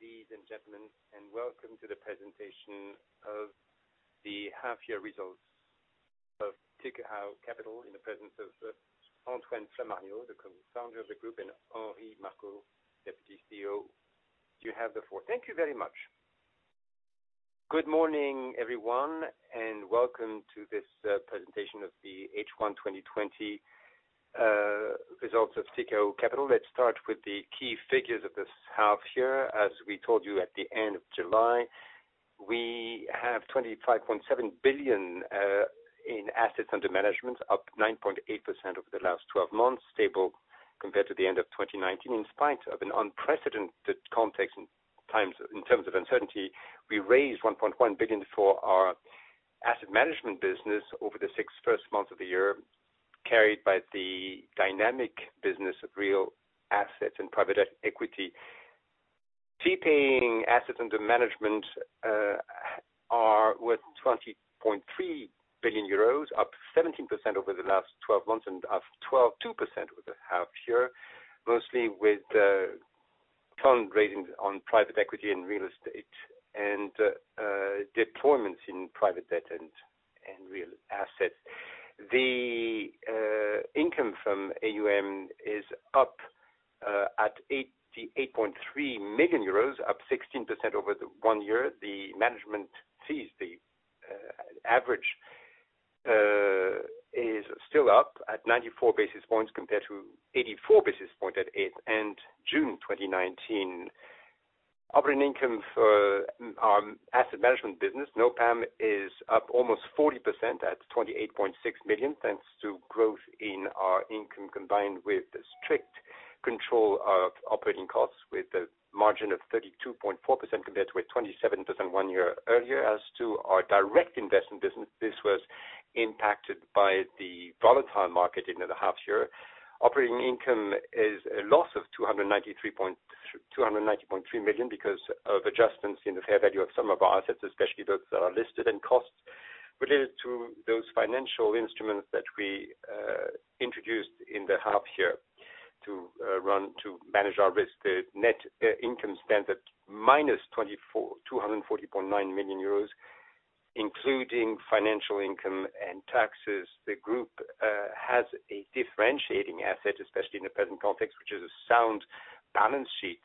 Ladies and gentlemen, welcome to the presentation of the half-year results of Tikehau Capital, in the presence of Antoine Flamarion, Co-founder of the group, and Henri Marcoux, Deputy CEO. You have the floor. Thank you very much. Good morning, everyone, and welcome to this presentation of the H1 2020 results of Tikehau Capital. Let's start with the key figures of this half-year. As we told you at the end of July, we have 25.7 billion in assets under management, up 9.8% over the last 12 months, stable compared to the end of 2019. In spite of an unprecedented context in terms of uncertainty, we raised 1.1 billion for our asset management business over the six first months of the year, carried by the dynamic business of real assets and private equity. Fee-paying assets under management are worth 20.3 billion euros, up 17% over the last 12 months and up two percent with the half-year, mostly with strong ratings on private equity and real estate and deployments in private debt and real assets. The income from AUM is up at 88.3 million euros, up 16% over the one year. The management fees, the average, is still up at 94 basis points compared to 84 basis point at end June 2019. Operating income for our asset management business, NOPAM, is up almost 40% at 28.6 million, thanks to growth in our income combined with the strict control of operating costs, with a margin of 32.4% compared to a 27% one year earlier. As to our direct investment business, this was impacted by the volatile market in the half year. Operating income is a loss of 290.3 million because of adjustments in the fair value of some of our assets, especially those that are listed and costs related to those financial instruments that we introduced in the half year to manage our risk. The net income stands at minus €249.9 million, including financial income and taxes. The group has a differentiating asset, especially in the present context, which is a sound balance sheet.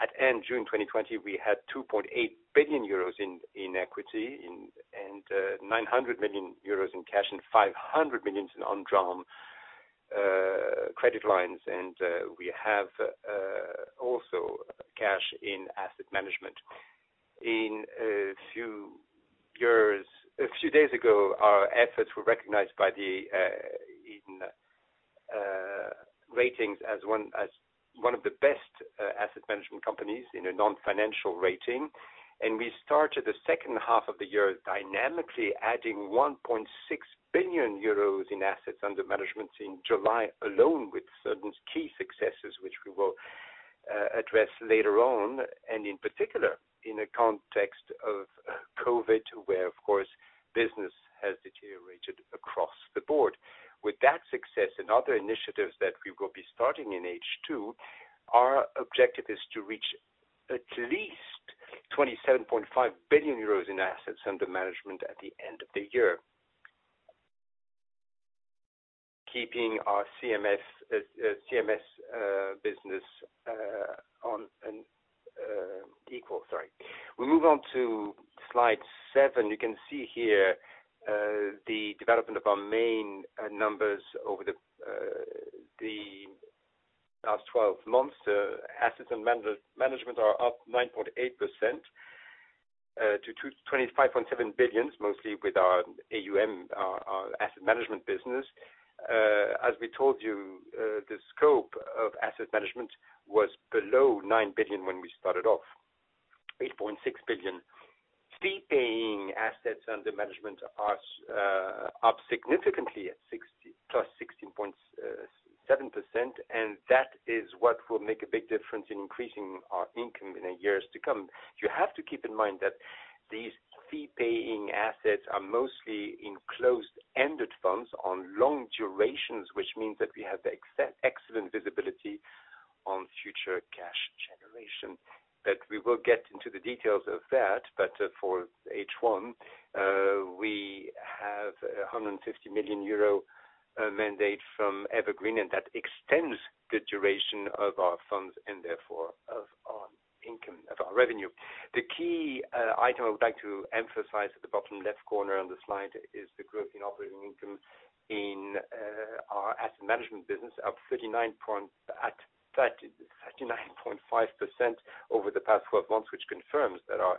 At end June 2020, we had €2.8 billion in equity and €900 million in cash, and 500 million in undrawn credit lines. We have also cash in asset management. A few days ago, our efforts were recognized by the ratings as one of the best asset management companies in a non-financial rating. We started the second half of the year dynamically, adding 1.6 billion euros in assets under management in July alone, with certain key successes, which we will address later on. In particular, in a context of COVID, where, of course, business has deteriorated across the board. With that success and other initiatives that we will be starting in H2, our objective is to reach at least 27.5 billion euros in assets under management at the end of the year. Sorry. We move on to slide seven. You can see here the development of our main numbers over the last 12 months. Assets under management are up 9.8% to 25.7 billion, mostly with our AUM, our asset management business. As we told you, the scope of asset management was below 9 billion when we started off, 8.6 billion. Fee-paying assets under management are up significantly at plus 16.7%. That is what will make a big difference in increasing our income in the years to come. You have to keep in mind that these fee-paying assets are mostly in closed-ended funds on long durations, which means that we have excellent visibility on future cash generation, that we will get into the details of that. For H1, we have a 150 million euro mandate from Evergreen. That extends the duration of our funds and therefore of our revenue. The key item I would like to emphasize at the bottom left corner on the slide is the growth in operating income in our asset management business, up 39.5% over the past 12 months, which confirms that our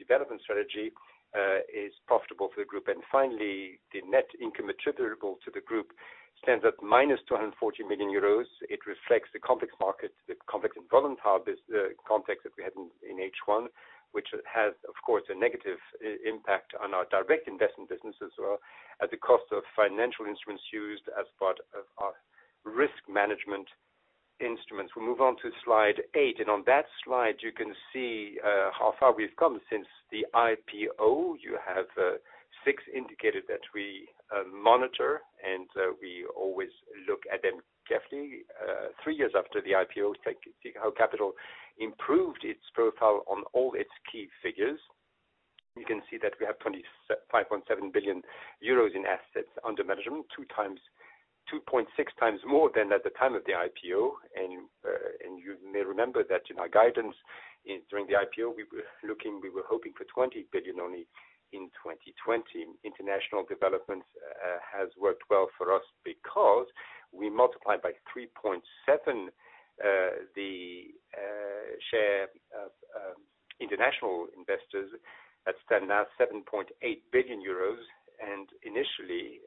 development strategy is profitable for the group. Finally, the net income attributable to the group stands at minus 240 million euros. It reflects the complex market, the complex and volatile context that we had in H1, which has, of course, a negative impact on our direct investment business as well, at the cost of financial instruments used as part of our risk management instruments. We move on to slide eight, and on that slide, you can see how far we've come since the IPO. You have six indicators that we monitor, and we always look at them carefully. Three years after the IPO, Tikehau Capital improved its profile on all its key figures. You can see that we have 25.7 billion euros in assets under management, 2.6x more than at the time of the IPO. You may remember that in our guidance during the IPO, we were hoping for 20 billion only in 2020. International development has worked well for us because we multiplied by 3.7 the share of international investors that stand now at 7.8 billion euros, and initially,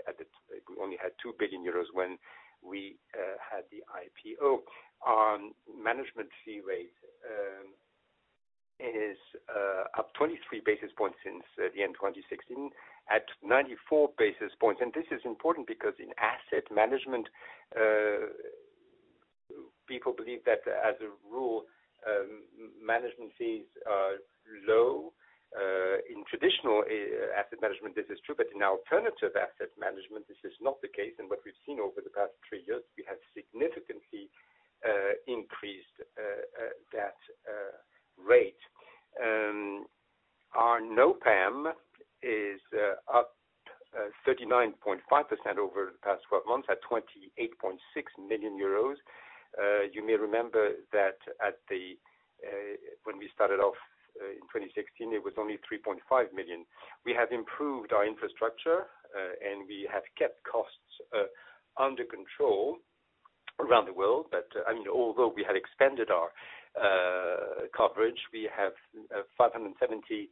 we only had 2 billion euros when we had the IPO. Our management fee rate is up 23 basis points since the end of 2016 at 94 basis points. This is important because in asset management, people believe that as a rule, management fees are low. In traditional asset management, this is true, but in alternative asset management, this is not the case. What we've seen over the past three years, we have significantly increased that rate. Our Non-performing loans is up 39.5% over the past 12 months at 28.6 million euros. You may remember that when we started off in 2016, it was only 3.5 million. We have improved our infrastructure, and we have kept costs under control around the world. Although we had expanded our coverage, we have 570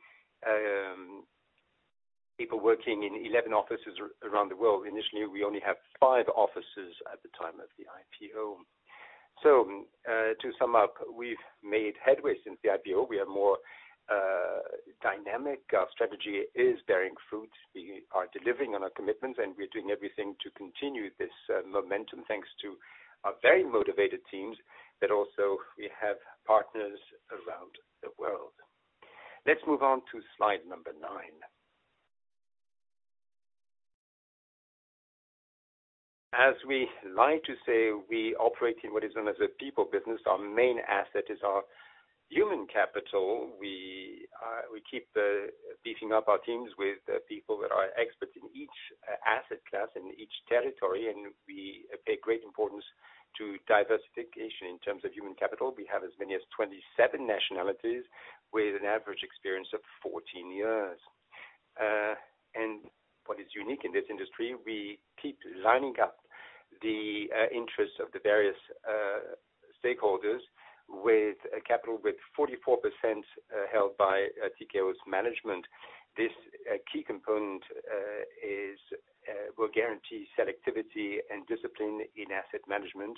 people working in 11 offices around the world. Initially, we only had five offices at the time of the IPO. To sum up, we've made headway since the IPO. We are more dynamic. Our strategy is bearing fruit. We are delivering on our commitments, and we are doing everything to continue this momentum thanks to our very motivated teams, but also we have partners around the world. Let's move on to slide number nine. As we like to say, we operate in what is known as a people business. Our main asset is our human capital. We keep beefing up our teams with people that are experts in each asset class in each territory. We pay great importance to diversification in terms of human capital. We have as many as 27 nationalities with an average experience of 14 years. What is unique in this industry, we keep lining up the interests of the various stakeholders with a capital with 44% held by Tikehau's management. This key component will guarantee selectivity and discipline in asset management.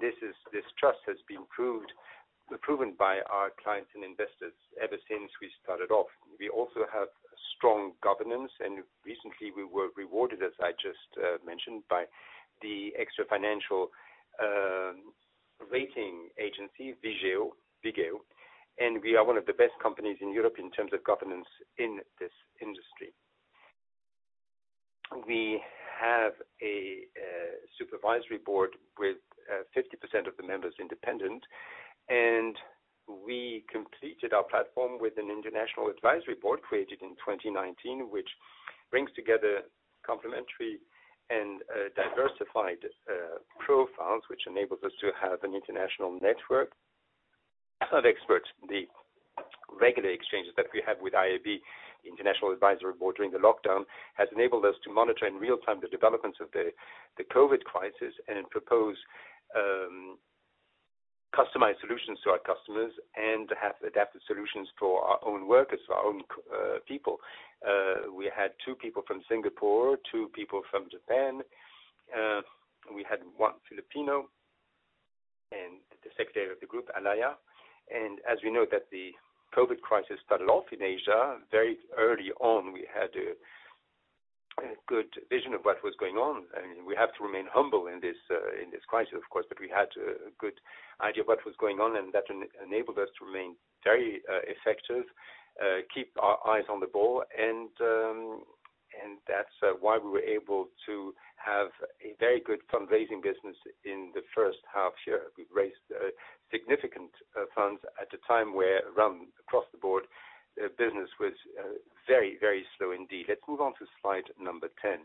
This trust has been proven by our clients and investors ever since we started off. We also have strong governance. Recently we were rewarded, as I just mentioned, by the extra financial rating agency, Vigeo. We are one of the best companies in Europe in terms of governance in this industry. We have a supervisory board with 50% of the members independent, and we completed our platform with an international advisory board created in 2019, which brings together complementary and diversified profiles, which enables us to have an international network of experts. The regular exchanges that we have with IAB, International Advisory Board, during the lockdown has enabled us to monitor in real-time the developments of the COVID crisis and propose customized solutions to our customers and have adapted solutions for our own workers, our own people. We had two people from Singapore, two people from Japan. We had one Filipino, and the secretary of the group, Alaia. As we know that the COVID crisis started off in Asia, very early on, we had a good vision of what was going on. We have to remain humble in this crisis, of course, but we had a good idea of what was going on, and that enabled us to remain very effective, keep our eyes on the ball, and that's why we were able to have a very good fundraising business in the first half year. We raised significant funds at a time where across the board, business was very, very slow indeed. Let's move on to slide number 10.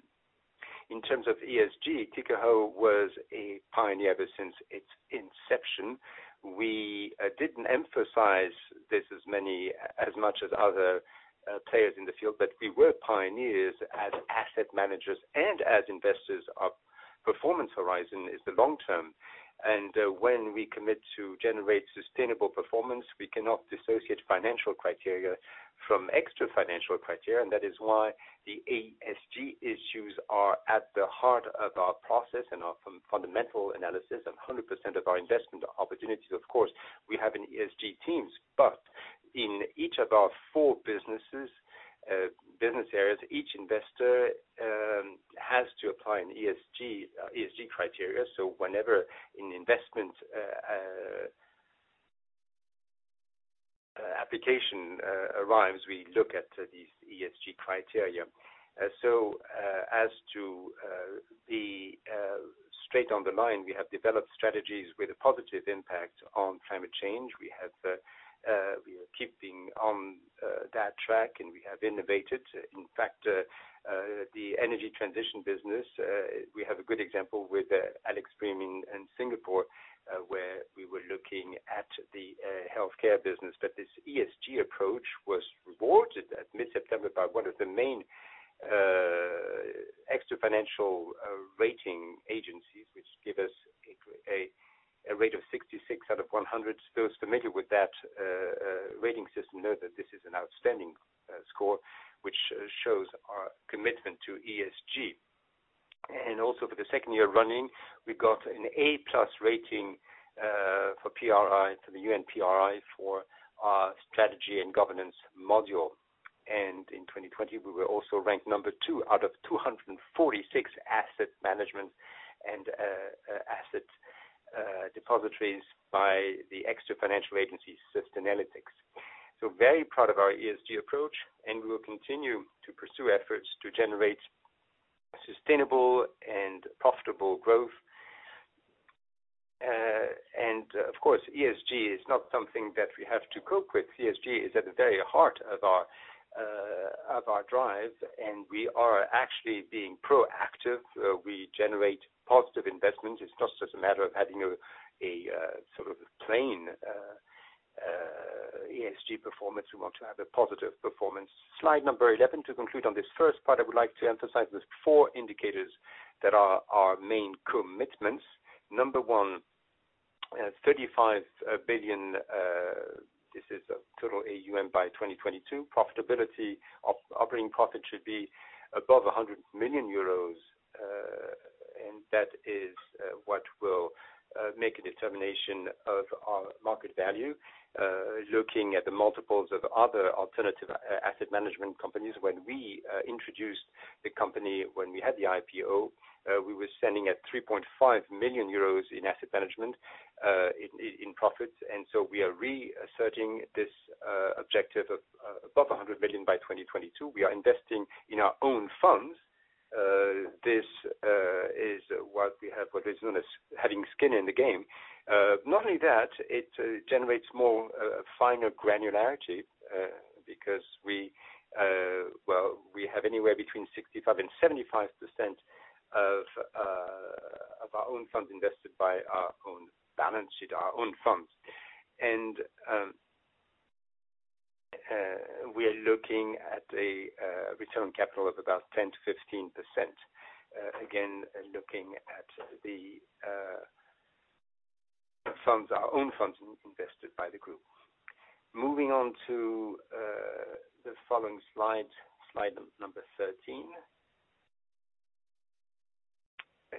In terms of ESG, Tikehau was a pioneer ever since its inception. We didn't emphasize this as much as other players in the field, but we were pioneers as asset managers and as investors. Our performance horizon is the long-term. When we commit to generate sustainable performance, we cannot dissociate financial criteria from extra-financial criteria, and that is why the ESG issues are at the heart of our process and our fundamental analysis of 100% of our investment opportunities. Of course, we have an ESG team, but in each of our four business areas, each investor has to apply an ESG criteria. Whenever an investment application arrives, we look at these ESG criteria. As to the straight on the line, we have developed strategies with a positive impact on climate change. We are keeping on that track, and we have innovated. In fact, the energy transition business, we have a good example with Alex Premium in Singapore, where we were looking at the healthcare business. This ESG approach was rewarded at mid-September by one of the main extra-financial rating agencies, which gave us a rate of 66 out of 100. Those familiar with that rating system know that this is an outstanding score, which shows our commitment to ESG. Also for the second year running, we got an A+ rating for the UN PRI for our strategy and governance module. In 2020, we were also ranked number two out of 246 asset management and asset depositories by the extra-financial agency, Sustainalytics. Very proud of our ESG approach, and we will continue to pursue efforts to generate sustainable and profitable growth. Of course, ESG is not something that we have to cope with. ESG is at the very heart of our drive, and we are actually being proactive. We generate positive investment. It's not just a matter of having a sort of plain ESG performance. We want to have a positive performance. Slide number 11. To conclude on this first part, I would like to emphasize those four indicators that are our main commitments. Number one, 35 billion. This is a total AUM by 2022. Profitability, operating profit should be above 100 million euros, and that is what will make a determination of our market value. Looking at the multiples of other alternative asset management companies, when we introduced the company, when we had the IPO, we were standing at 3.5 million euros in asset management in profits. We are reasserting this objective of above 100 million by 2022. We are investing in our own funds. This is what we have, what is known as having skin in the game. Not only that, it generates more finer granularity, because we have anywhere between 65% and 75% of our own funds invested by our own balance sheet, our own funds. We are looking at a return on capital of about 10% - 15%. Again, looking at the funds, our own funds invested by the group. Moving on to the following slide number 13.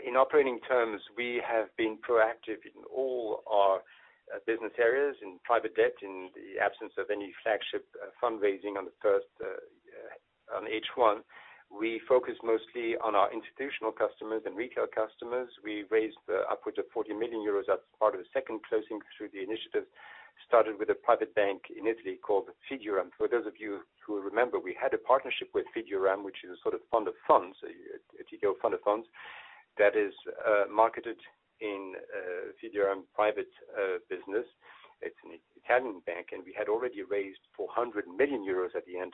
In operating terms, we have been proactive in all our business areas in private debt. In the absence of any flagship fundraising on H1, we focus mostly on our institutional customers and retail customers. We raised upwards of 40 million euros as part of the second closing through the initiative, started with a private bank in Italy called Fideuram. For those of you who remember, we had a partnership with Fideuram, which is a sort of fund of funds, a Tikehau fund of funds that is marketed in Fideuram private business. It's an Italian bank, we had already raised 400 million euros at the end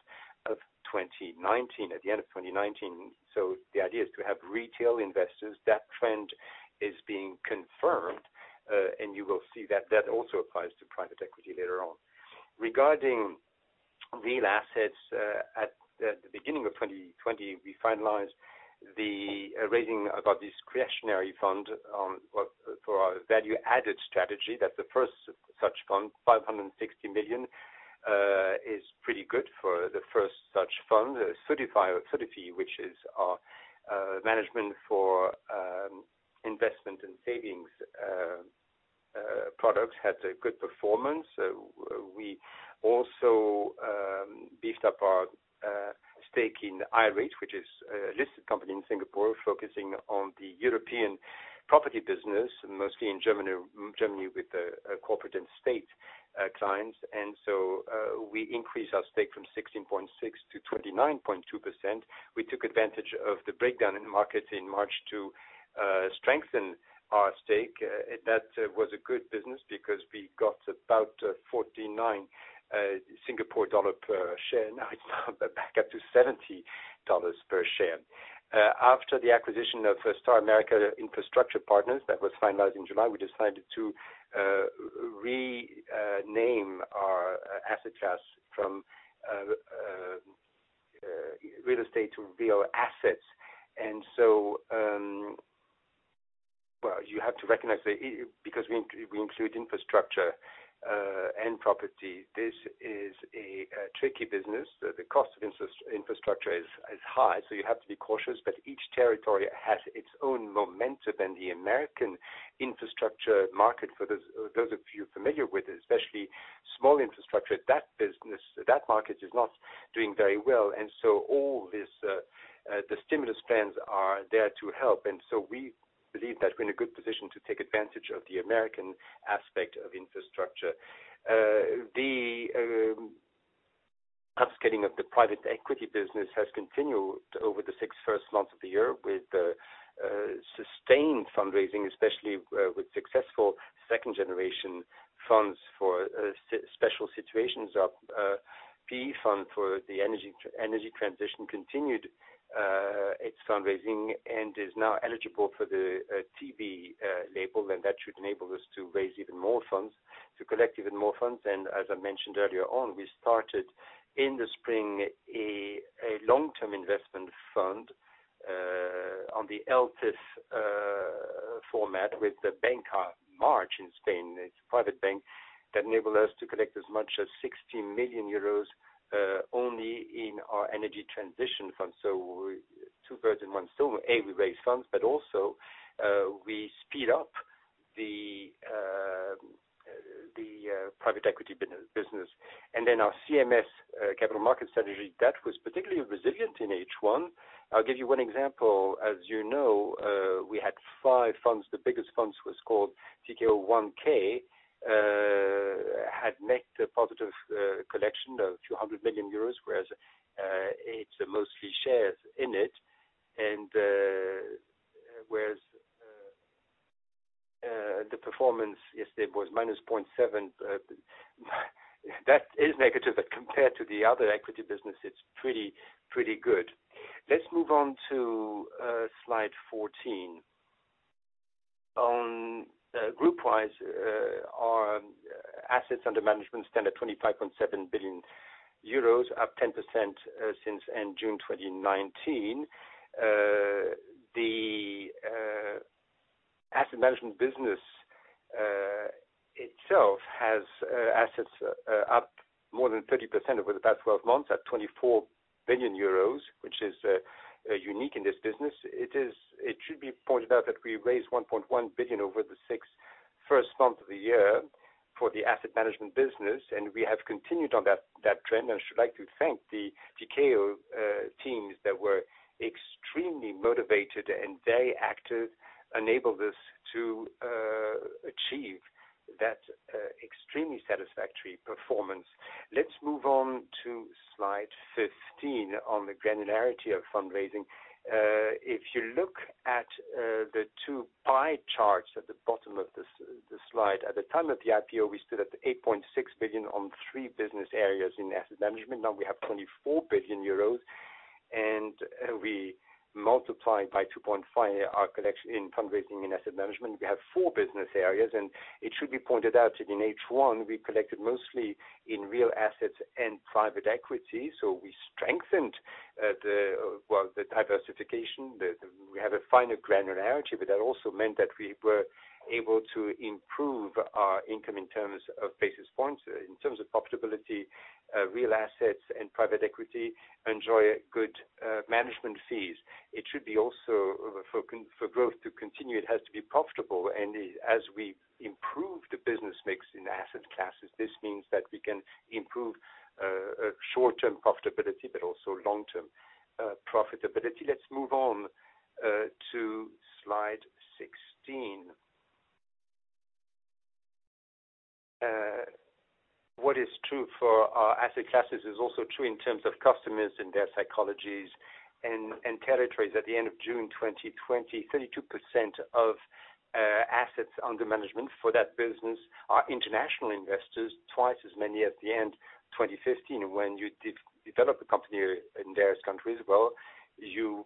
of 2019. The idea is to have retail investors. That trend is being confirmed, you will see that that also applies to private equity later on. Regarding real assets, at the beginning of 2020, we finalized the raising about this discretionary fund for our value-added strategy. That's the first such fund, 560 million is pretty good for the first such fund. Sofidy, which is our management for investment and savings products, had a good performance. We also beefed up our stake in IREIT Global, which is a listed company in Singapore, focusing on the European property business, mostly in Germany with the corporate and state clients. We increased our stake from 16.6% - 29.2%. We took advantage of the breakdown in the market in March to strengthen our stake. That was a good business because we got about 49 Singapore dollar per share. Now it's back up to 70 dollars per share. After the acquisition of Star America Infrastructure Partners, that was finalized in July, we decided to rename our asset class from real estate to real assets. Well, you have to recognize because we include infrastructure and property, this is a tricky business. The cost of infrastructure is high, so you have to be cautious, but each territory has its own momentum. The American infrastructure market, for those of you familiar with it, especially small infrastructure, that business, that market is not doing very well. All the stimulus plans are there to help. We believe that we're in a good position to take advantage of the American aspect of infrastructure. Scaling up the private equity business has continued over the six first months of the year with sustained fundraising, especially with successful second-generation funds for special situations. Our PE fund for the energy transition continued its fundraising and is now eligible for the TEEC label, and that should enable us to raise even more funds, to collect even more funds. As I mentioned earlier on, we started in the spring, a long-term investment fund, on the ELTIF format with the Banca March in Spain. It's a private bank that enabled us to collect as much as 60 million euros, only in our energy transition fund. Two birds with one stone. A, we raise funds, but also, we speed up the private equity business. Our CMS, capital market strategy, that was particularly resilient in H1. I'll give you one example. As you know, we had five funds. The biggest fund was called TKS, had net positive collection of a few hundred million EUR, whereas it's mostly shares in it. Whereas the performance yesterday was -0.7%, that is negative, but compared to the other equity business, it's pretty good. Let's move on to slide 14. Group-wise, our assets under management stand at 25.7 billion euros, up 10% since June 2019. The asset management business itself has assets up more than 30% over the past 12 months at 24 billion euros, which is unique in this business. It should be pointed out that we raised 1.1 billion over the six first months of the year for the asset management business, and we have continued on that trend, and I should like to thank the Tikehau teams that were extremely motivated and very active, enabled us to achieve that extremely satisfactory performance. Let's move on to slide 15 on the granularity of fundraising. If you look at the two pie charts at the bottom of the slide, at the time of the IPO, we stood at 8.6 billion on three business areas in asset management. Now we have 24 billion euros, and we multiplied by 2.5 our collection in fundraising and asset management. We have four business areas, and it should be pointed out that in H1, we collected mostly in real assets and private equity. We strengthened the diversification. We have a finer granularity, but that also meant that we were able to improve our income in terms of basis points. In terms of profitability, real assets and private equity enjoy good management fees. It should be also for growth to continue, it has to be profitable. As we improve the business mix in asset classes, this means that we can improve short-term profitability, but also long-term profitability. Let's move on to slide 16. What is true for our asset classes is also true in terms of customers and their psychologies and territories. At the end of June 2020, 32% of assets under management for that business are international investors, twice as many at the end 2015. When you develop a company in various countries, well, you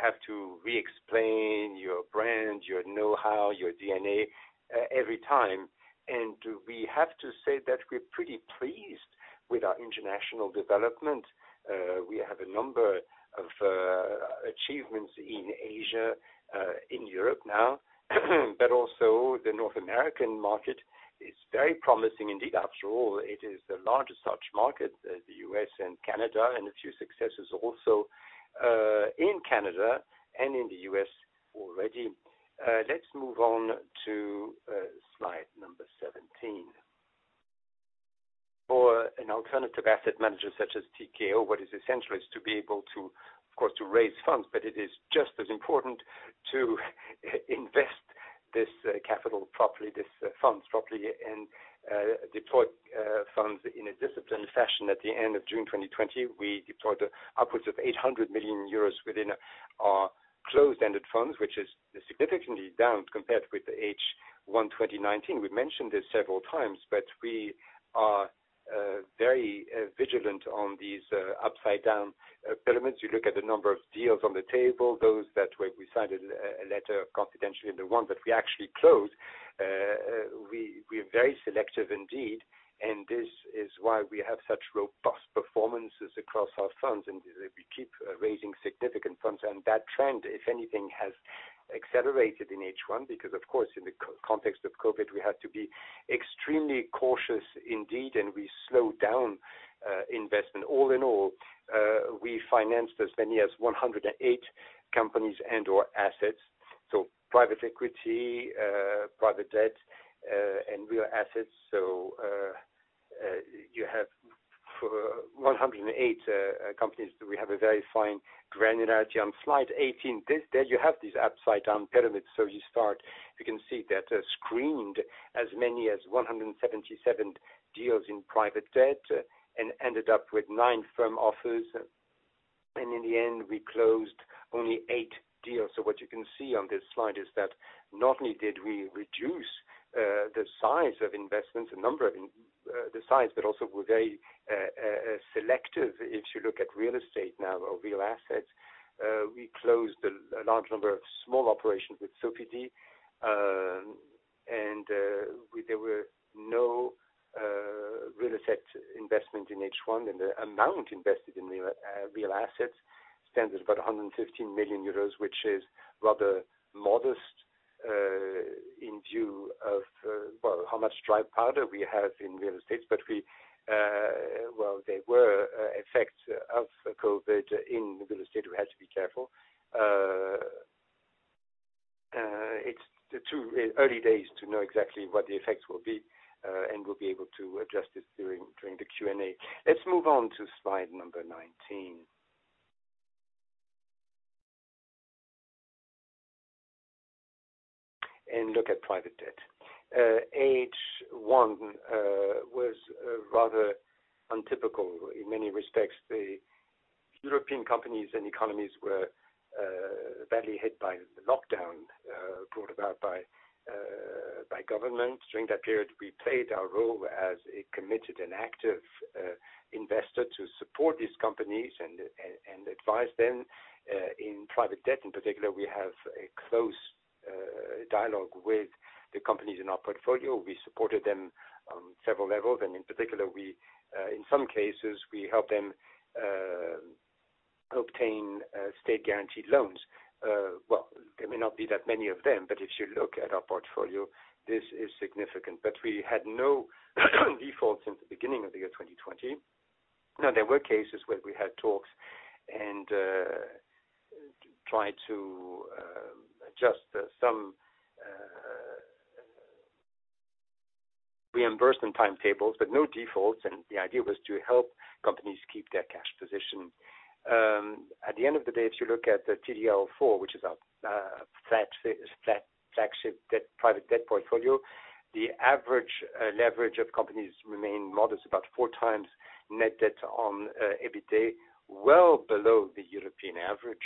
have to re-explain your brand, your know-how, your DNA every time. We have to say that we're pretty pleased with our international development. We have a number of achievements in Asia, in Europe now, but also the North American market is very promising indeed. After all, it is the largest such market, the U.S. and Canada, and a few successes also in Canada and in the U.S. already. Let's move on to slide number 17. For an alternative asset manager such as Tikehau, what is essential is to be able to, of course, to raise funds, but it is just as important to invest this capital properly, this funds properly, and deploy funds in a disciplined fashion. At the end of June 2020, we deployed upwards of 800 million euros within our closed-ended funds, which is significantly down compared with the H1 2019. We've mentioned this several times, we are very vigilant on these upside-down pyramids. You look at the number of deals on the table, those that we signed a letter of confidentiality, and the ones that we actually closed. We are very selective indeed, and this is why we have such robust performances across our funds, and we keep raising significant funds. That trend, if anything, has accelerated in H1, because of course, in the context of COVID, we had to be extremely cautious indeed, and we slowed down investment. All in all, we financed as many as 108 companies and/or assets. Private equity, private debt, and real assets. You have for 108 companies, we have a very fine granularity. On slide 18, you have these upside-down pyramids. You start, you can see that screened as many as 177 deals in private debt and ended up with nine firm offers. In the end, we closed only eight deals. What you can see on this slide is that not only did we reduce the size of investments, the number, the size, but also were very selective. If you look at real estate now or real assets, we closed a large number of small operations with Sofidy, and there were no real estate investment in H1, and the amount invested in real assets stands about 115 million euros, which is rather modest in view of how much dry powder we have in real estate. There were effects of COVID in real estate. We had to be careful. It's too early days to know exactly what the effects will be, and we'll be able to address this during the Q&A. Let's move on to slide number 19 and look at private debt. H1 was rather untypical in many respects. The European companies and economies were badly hit by the lockdown brought about by government. During that period, we played our role as a committed and active investor to support these companies and advise them. In private debt, in particular, we have a close dialogue with the companies in our portfolio. We supported them on several levels, and in particular, in some cases, we helped them obtain state-guaranteed loans. Well, there may not be that many of them, but if you look at our portfolio, this is significant. We had no defaults since the beginning of the year 2020. There were cases where we had talks and tried to adjust some reimbursement timetables, but no defaults, and the idea was to help companies keep their cash position. At the end of the day, if you look at the TDL IV, which is our flagship private debt portfolio, the average leverage of companies remain modest, about four times net debt on EBITDA, well below the European average.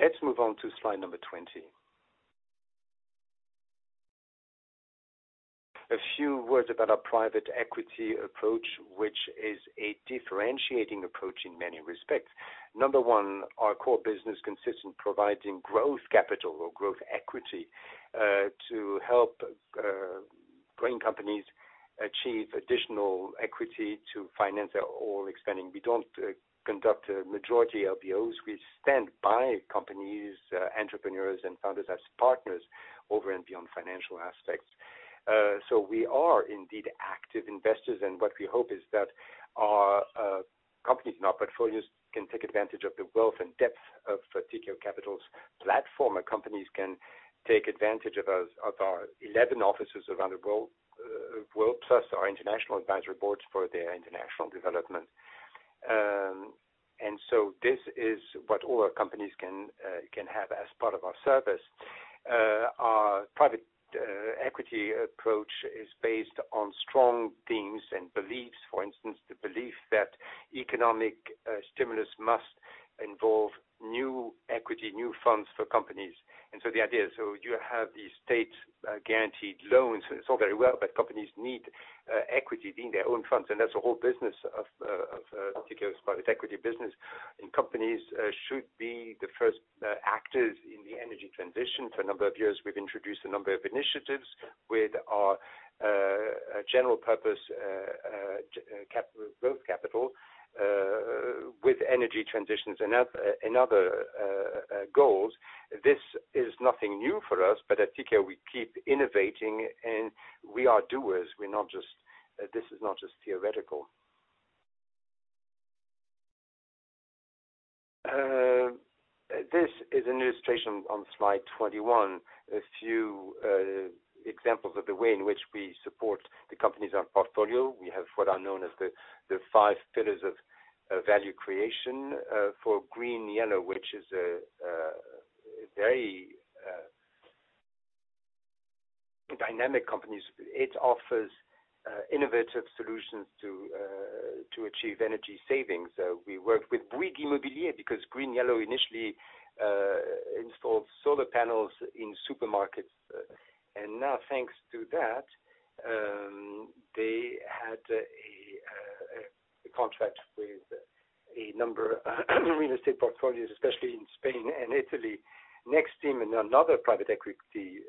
Let's move on to slide number 20. A few words about our private equity approach, which is a differentiating approach in many respects. Number one, our core business consists in providing growth capital or growth equity to help growing companies achieve additional equity to finance their all expanding. We don't conduct majority LBOs. We stand by companies, entrepreneurs, and founders as partners over and beyond financial aspects. We are indeed active investors. What we hope is that our companies in our portfolios can take advantage of the wealth and depth of Tikehau Capital's platform. Our companies can take advantage of our 11 offices around the world, plus our international advisory boards for their international development. This is what all our companies can have as part of our service. Our private equity approach is based on strong themes and beliefs. For instance, the belief that economic stimulus must involve new equity, new funds for companies. The idea, you have these state-guaranteed loans. It's all very well, but companies need equity being their own funds. That's the whole business of Tikehau's private equity business. Companies should be the first actors in the energy transition. For a number of years, we've introduced a number of initiatives with our general purpose growth capital with energy transitions and other goals. This is nothing new for us, but at Tikehau, we keep innovating, and we are doers. This is not just theoretical. This is an illustration on slide 21. A few examples of the way in which we support the companies in our portfolio. We have what are known as the five pillars of value creation for GreenYellow, which is a very dynamic company. It offers innovative solutions to achieve energy savings. We worked with Bouygues Immobilier because GreenYellow initially installed solar panels in supermarkets. Now, thanks to that, they had a contract with a number of real estate portfolios, especially in Spain and Italy. Nexteam and another private equity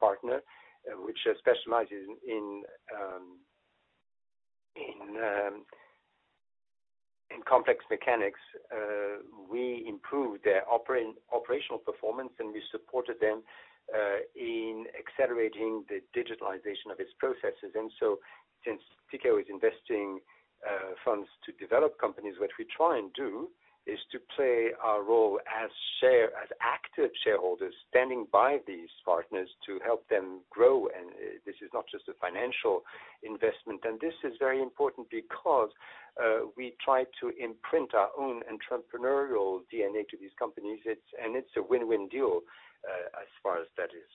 partner, which specializes in complex mechanics. We improved their operational performance. We supported them in accelerating the digitalization of its processes. Since Tikehau is investing funds to develop companies, what we try and do is to play our role as active shareholders standing by these partners to help them grow. This is not just a financial investment. This is very important because we try to imprint our own entrepreneurial DNA to these companies, and it's a win-win deal as far as that is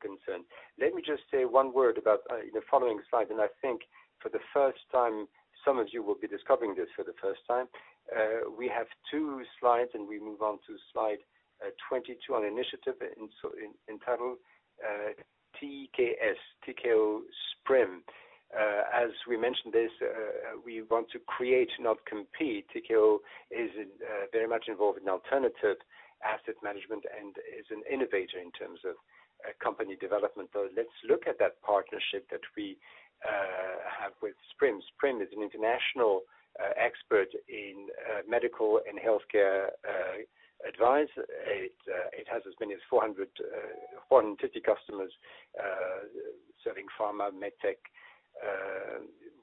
concerned. Let me just say one word about the following slide, and I think for the first time, some of you will be discovering this for the first time. We have two slides. We move on to slide 22 on initiative entitled TKS, Tikehau SPRIM. As we mentioned this, we want to create, not compete. Tikehau is very much involved in alternative asset management and is an innovator in terms of company development. Let's look at that partnership that we have with SPRIM. SPRIM is an international expert in medical and healthcare advice. It has as many as 450 customers serving pharma, med-tech.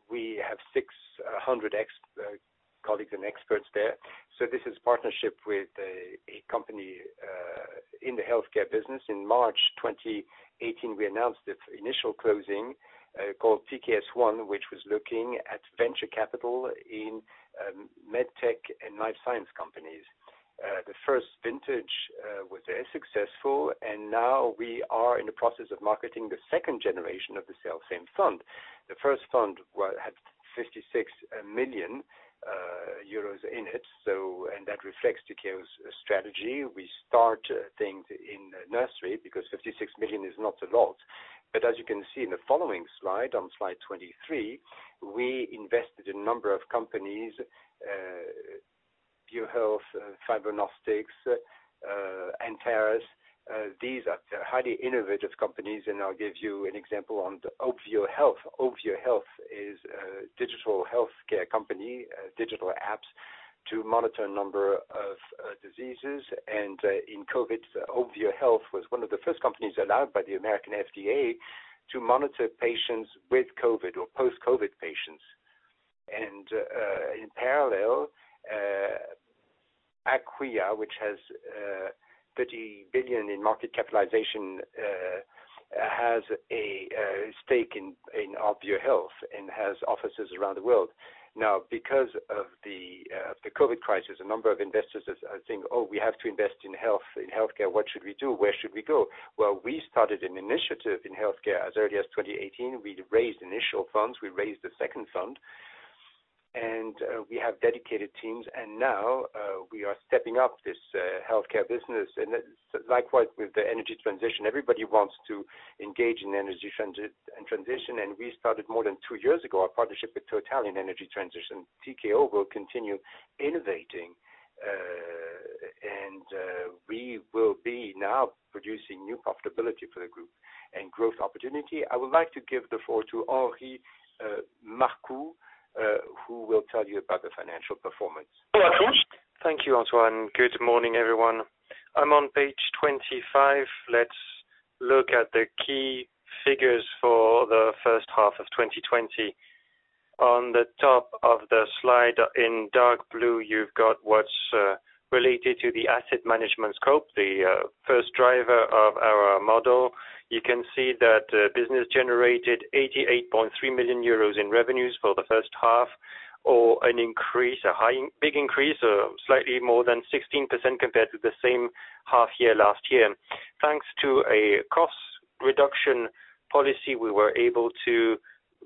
We have 600 colleagues and experts there. This is partnership with a company in the healthcare business. In March 2018, we announced its initial closing, called TKS1, which was looking at venture capital in med-tech and life science companies. The first vintage was very successful, and now we are in the process of marketing the second generation of the same fund. The first fund had 56 million euros in it, and that reflects Tikehau's strategy. We start things in nursery because 56 million is not a lot. As you can see in the following slide, on slide 23, we invested in a number of companies, ObvioHealth, Fibronostics, Antares. These are highly innovative companies, and I'll give you an example on the ObvioHealth. ObvioHealth is a digital healthcare company, digital apps to monitor a number of diseases. In COVID, ObvioHealth was one of the first companies allowed by the American FDA to monitor patients with COVID or post-COVID patients. In parallel, Aquia, which has 30 billion in market capitalization, has a stake in ObvioHealth and has offices around the world. Because of the COVID crisis, a number of investors are saying, "Oh, we have to invest in health, in healthcare. What should we do? Where should we go?" Well, we started an initiative in healthcare as early as 2018. We raised initial funds. We raised a second fund, and we have dedicated teams. Now, we are stepping up this healthcare business. Likewise with the energy transition, everybody wants to engage in energy transition. We started more than two years ago, our partnership with Total in energy transition. Tikehau will continue innovating, and we will be now producing new profitability for the group and growth opportunity. I would like to give the floor to Henri Marcoux who will tell you about the financial performance. Marcoux. Thank you, Antoine. Good morning, everyone. I'm on page 25. Let's look at the key figures for the first half of 2020. On the top of the slide in dark blue, you've got what's related to the asset management scope, the first driver of our model. You can see that business generated 88.3 million euros in revenues for the first half, or a big increase of slightly more than 16% compared to the same half year last year. Thanks to a cost reduction policy, we were able to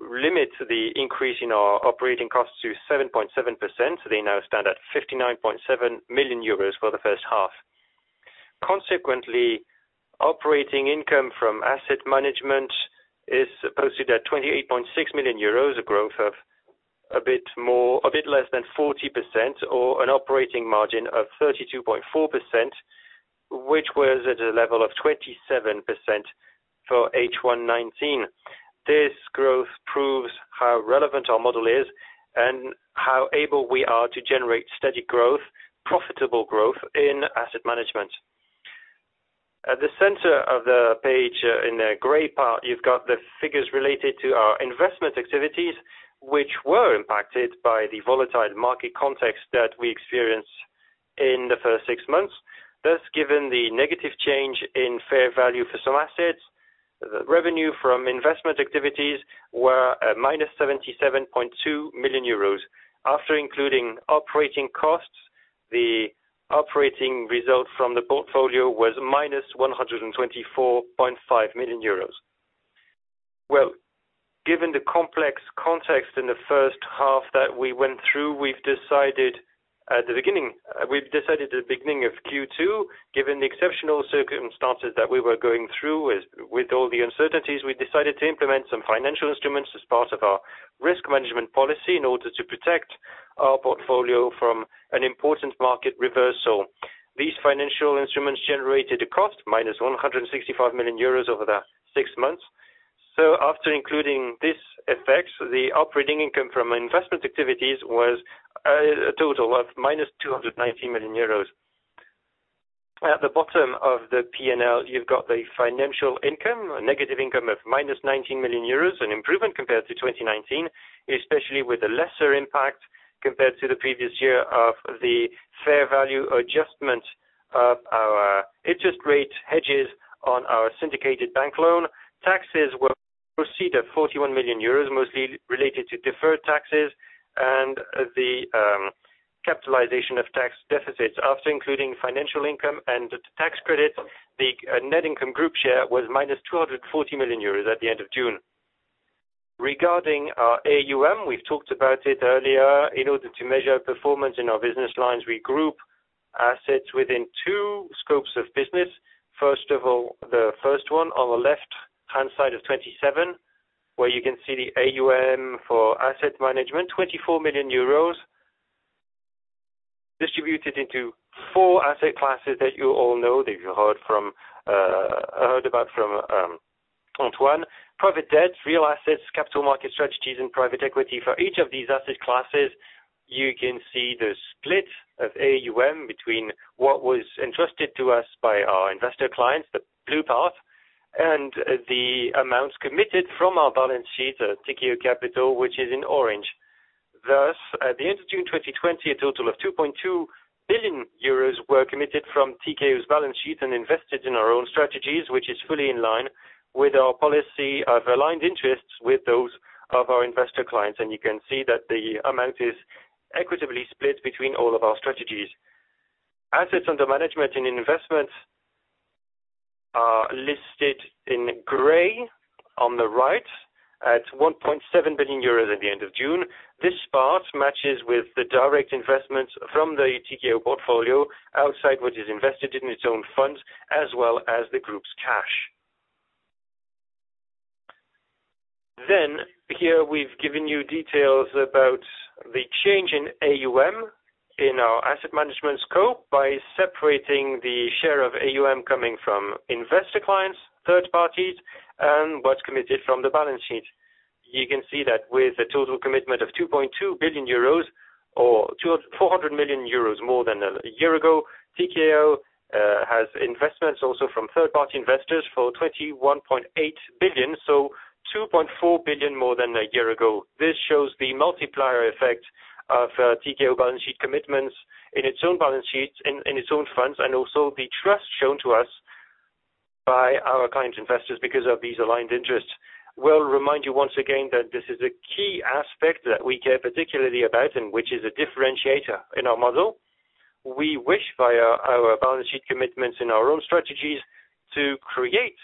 limit the increase in our operating costs to 7.7%, so they now stand at 59.7 million euros for the first half. Consequently, operating income from asset management is posted at 28.6 million euros, a growth of a bit less than 40%, or an operating margin of 32.4%, which was at a level of 27% for H1-19. This growth proves how relevant our model is and how able we are to generate steady growth, profitable growth in asset management. At the center of the page in the gray part, you've got the figures related to our investment activities, which were impacted by the volatile market context that we experienced in the first 6 months. Given the negative change in fair value for some assets, the revenue from investment activities were at -77.2 million euros. After including operating costs, the operating result from the portfolio was -124.5 million euros. Well, given the complex context in the first half that we went through, we've decided at the beginning of Q2, given the exceptional circumstances that we were going through with all the uncertainties, we decided to implement some financial instruments as part of our risk management policy in order to protect our portfolio from an important market reversal. These financial instruments generated a cost, -165 million euros over the six months. After including these effects, the operating income from investment activities was a total of -219 million euros. At the bottom of the P&L, you've got the financial income, a negative income of -19 million euros, an improvement compared to 2019, especially with the lesser impact compared to the previous year of the fair value adjustment of our interest rate hedges on our syndicated bank loan. Taxes were received at 41 million euros, mostly related to deferred taxes and the capitalization of tax deficits. After including financial income and the tax credit, the net income group share was -240 million euros at the end of June. Regarding our AUM, we've talked about it earlier. In order to measure performance in our business lines, we group assets within two scopes of business. First of all, the first one on the left-hand side is 27, where you can see the AUM for asset management, 24 million euros distributed into four asset classes that you all know, that you heard about from Antoine. Private debt, real assets, capital market strategies, and private equity. For each of these asset classes, you can see the split of AUM between what was entrusted to us by our investor clients, the blue part, and the amounts committed from our balance sheet at Tikehau Capital, which is in orange. Thus, at the end of June 2020, a total of 2.2 billion euros were committed from Tikehau's balance sheet and invested in our own strategies, which is fully in line with our policy of aligned interests with those of our investor clients. You can see that the amount is equitably split between all of our strategies. Assets under management in investments are listed in gray on the right at 1.7 billion euros at the end of June. This part matches with the direct investments from the Tikehau portfolio outside what is invested in its own funds, as well as the group's cash. Here we've given you details about the change in AUM in our asset management scope by separating the share of AUM coming from investor clients, third parties, and what's committed from the balance sheet. You can see that with a total commitment of 2.2 billion euros or 400 million euros more than a year ago, Tikehau has investments also from third-party investors for 21.8 billion, 2.4 billion more than a year ago. This shows the multiplier effect of Tikehau balance sheet commitments in its own balance sheet, in its own funds, and also the trust shown to us by our clients investors because of these aligned interests. We'll remind you once again that this is a key aspect that we care particularly about and which is a differentiator in our model. We wish via our balance sheet commitments in our own strategies to create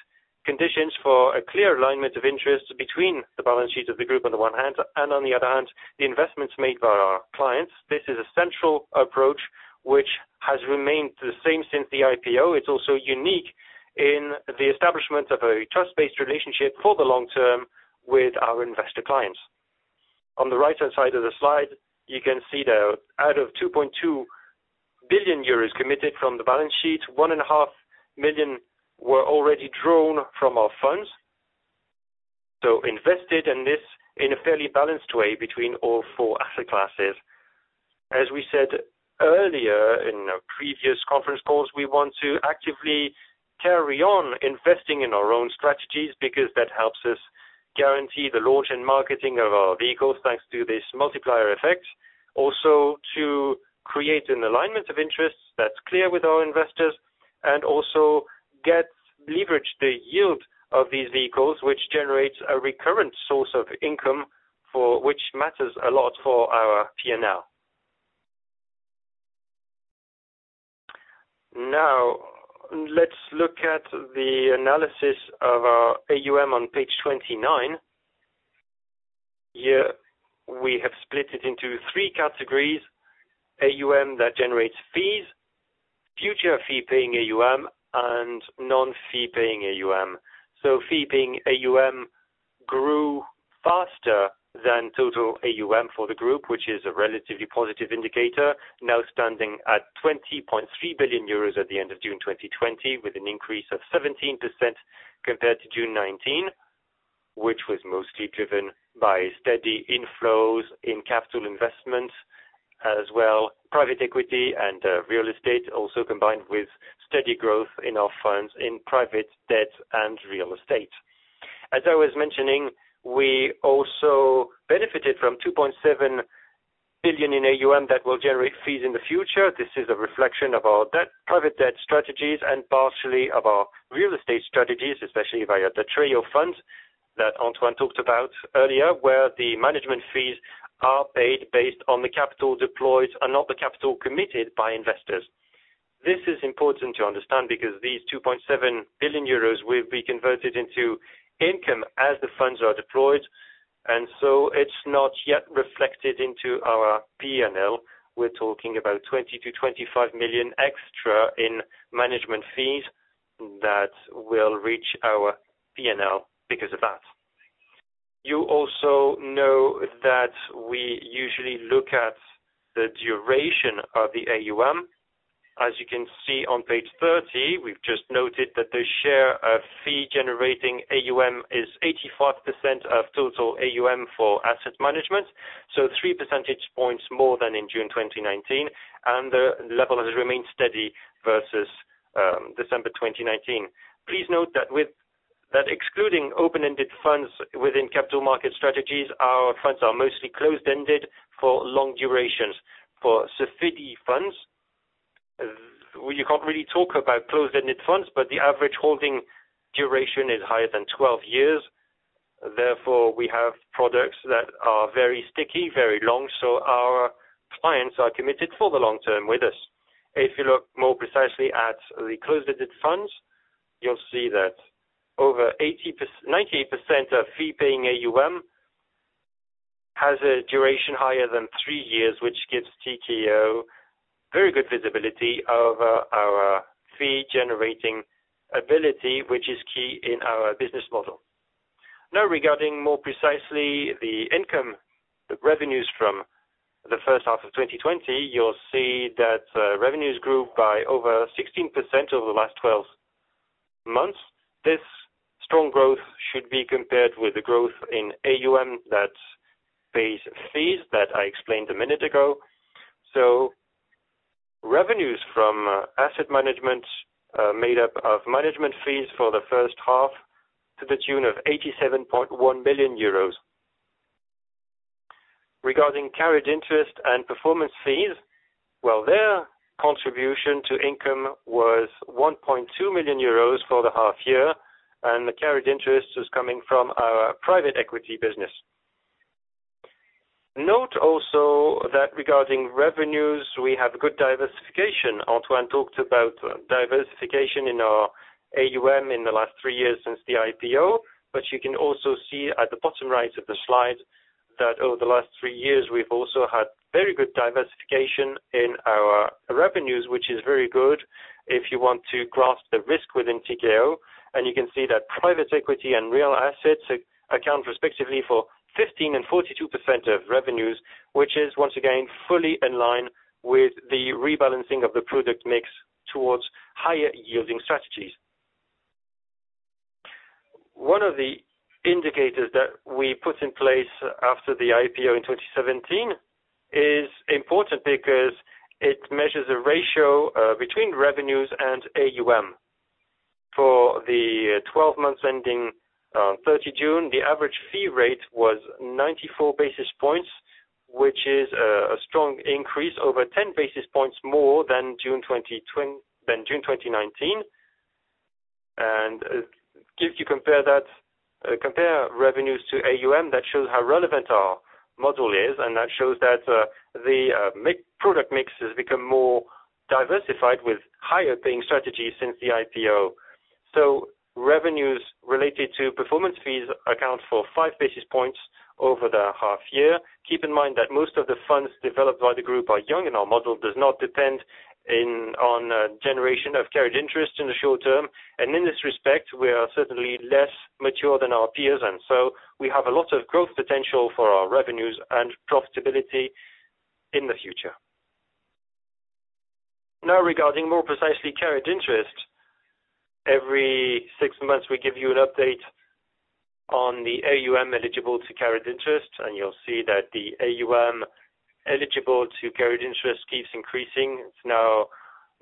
conditions for a clear alignment of interest between the balance sheet of the group on the one hand, and on the other hand, the investments made by our clients. This is a central approach which has remained the same since the IPO. It's also unique in the establishment of a trust-based relationship for the long term with our investor clients. On the right-hand side of the slide, you can see that out of 2.2 billion euros committed from the balance sheet, 1.5 million were already drawn from our funds, so invested in this in a fairly balanced way between all four asset classes. As we said earlier in our previous conference calls, we want to actively carry on investing in our own strategies because that helps us guarantee the launch and marketing of our vehicles, thanks to this multiplier effect. To create an alignment of interests that's clear with our investors, and also leverage the yield of these vehicles, which generates a recurrent source of income for which matters a lot for our P&L. Let's look at the analysis of our AUM on page 29. We have split it into three categories: AUM that generates fees, future fee-paying AUM, and non-fee-paying AUM. Fee-paying AUM grew faster than total AUM for the group, which is a relatively positive indicator, now standing at 20.3 billion euros at the end of June 2020, with an increase of 17% compared to June 2019, which was mostly driven by steady inflows in capital investment, as well private equity and real estate, also combined with steady growth in our funds in private debt and real estate. As I was mentioning, we also benefited from 2.7 billion in AUM that will generate fees in the future. This is a reflection of our private debt strategies and partially of our real estate strategies, especially via the trio funds that Antoine talked about earlier, where the management fees are paid based on the capital deployed and not the capital committed by investors. This is important to understand because these 2.7 billion euros will be converted into income as the funds are deployed, and so it's not yet reflected into our P&L. We're talking about 20 million-25 million extra in management fees that will reach our P&L because of that. You also know that we usually look at the duration of the AUM. As you can see on page 30, we've just noted that the share of fee-generating AUM is 85% of total AUM for asset management, so three percentage points more than in June 2019, and the level has remained steady versus December 2019. Please note that excluding open-ended funds within capital market strategies, our funds are mostly closed-ended for long durations. For Sofidy funds, you can't really talk about closed-ended funds, but the average holding duration is higher than 12 years. We have products that are very sticky, very long, so our clients are committed for the long term with us. If you look more precisely at the closed-ended funds, you'll see that over 90% of fee-paying AUM has a duration higher than three years, which gives Tikehau Capital very good visibility over our fee-generating ability, which is key in our business model. Regarding more precisely the income, the revenues from the first half of 2020, you'll see that revenues grew by over 16% over the last 12 months. This strong growth should be compared with the growth in AUM that pays fees that I explained a minute ago. Revenues from asset management made up of management fees for the first half to the tune of 87.1 billion euros. Regarding carried interest and performance fees, well, their contribution to income was 1.2 million euros for the half year, and the carried interest is coming from our private equity business. Note also that regarding revenues, we have good diversification. Antoine talked about diversification in our AUM in the last three years since the IPO. You can also see at the bottom right of the slide that over the last three years we've also had very good diversification in our revenues, which is very good if you want to grasp the risk within Tikehau. You can see that private equity and real assets account respectively for 15% and 42% of revenues, which is once again fully in line with the rebalancing of the product mix towards higher yielding strategies. One of the indicators that we put in place after the IPO in 2017 is important because it measures the ratio between revenues and AUM. For the 12 months ending 30 June, the average fee rate was 94 basis points, which is a strong increase over 10 basis points more than June 2019. If you compare revenues to AUM, that shows how relevant our model is, and that shows that the product mix has become more diversified with higher paying strategies since the IPO. Revenues related to performance fees account for five basis points over the half year. Keep in mind that most of the funds developed by the group are young, and our model does not depend on generation of carried interest in the short term. In this respect, we are certainly less mature than our peers, and so we have a lot of growth potential for our revenues and profitability in the future. Regarding more precisely carried interest. Every six months, we give you an update on the AUM eligible to carried interest, and you will see that the AUM eligible to carried interest keeps increasing. It is now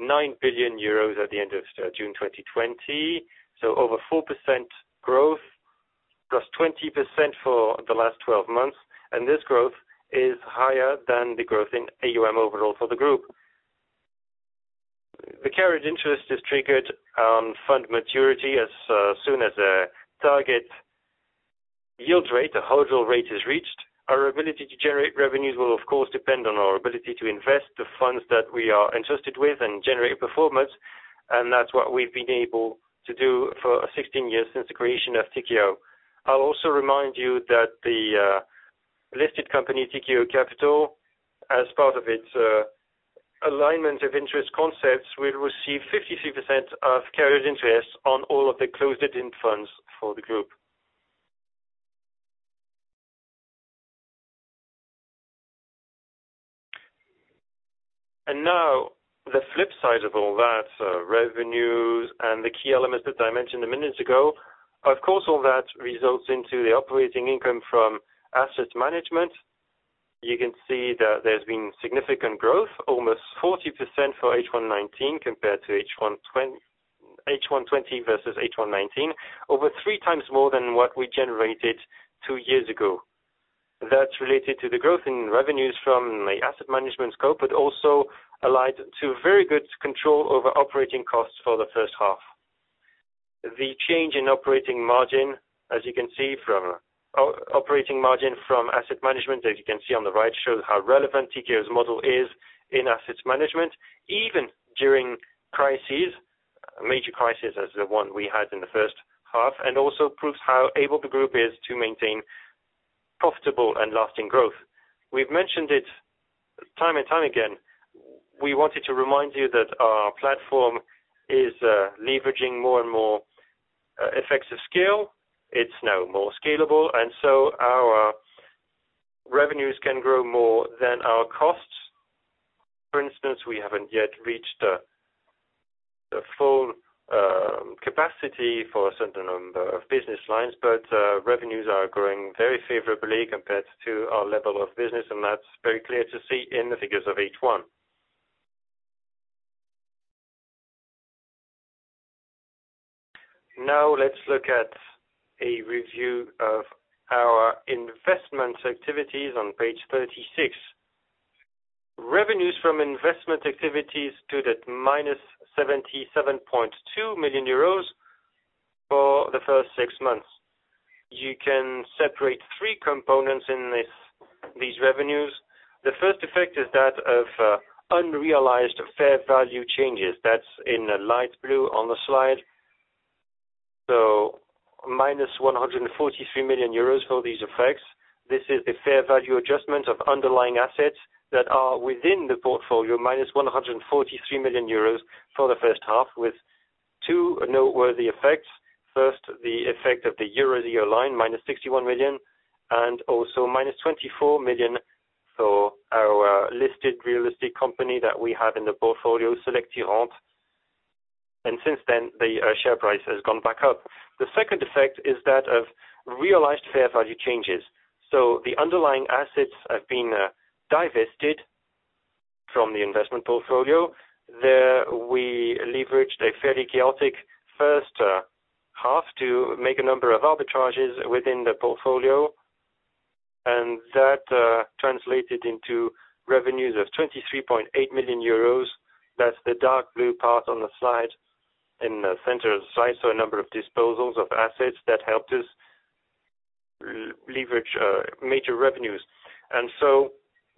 9 billion euros at the end of June 2020, so over four percent growth, plus 20% for the last 12 months, and this growth is higher than the growth in AUM overall for the group. The carried interest is triggered on fund maturity as soon as a target yield rate or hurdle rate is reached. Our ability to generate revenues will of course depend on our ability to invest the funds that we are entrusted with and generate performance, and that's what we've been able to do for 16 years since the creation of Tikehau. I'll also remind you that the listed company, Tikehau Capital, as part of its alignment of interest concepts, will receive 53% of carried interest on all of the closed-end funds for the group. Now the flip side of all that, revenues and the key elements that I mentioned a minute ago. Of course, all that results into the operating income from asset management. You can see that there's been significant growth, almost 40% for H1. H1 2020 versus H1 2019, over 3x more than what we generated two years ago. That's related to the growth in revenues from the asset management scope, but also allied to very good control over operating costs for the first half. The change in operating margin from asset management, as you can see on the right, shows how relevant Tikehau Capital's model is in asset management, even during major crises as the one we had in the first half, and also proves how able the group is to maintain profitable and lasting growth. We've mentioned it time and time again. We wanted to remind you that our platform is leveraging more and more effects of scale. It's now more scalable, and so our revenues can grow more than our costs. For instance, we haven't yet reached the full capacity for a certain number of business lines, but revenues are growing very favorably compared to our level of business, and that's very clear to see in the figures of H1. Let's look at a review of our investment activities on page 36. Revenues from investment activities stood at minus 77.2 million euros for the first six months. You can separate three components in these revenues. The first effect is that of unrealized fair value changes. That's in light blue on the slide. Minus 143 million euros for these effects. This is the fair value adjustment of underlying assets that are within the portfolio, minus 143 million euros for the first half with two noteworthy effects. First, the effect of the Eurazeo line, minus 61 million, and also minus 24 million for our listed real estate company that we have in the portfolio, Selectirente. The second effect is that of realized fair value changes. The underlying assets have been divested from the investment portfolio. There we leveraged a fairly chaotic first half to make a number of arbitrages within the portfolio, and that translated into revenues of 23.8 million euros. That's the dark blue part on the slide in the center of the slide. A number of disposals of assets that helped us leverage major revenues.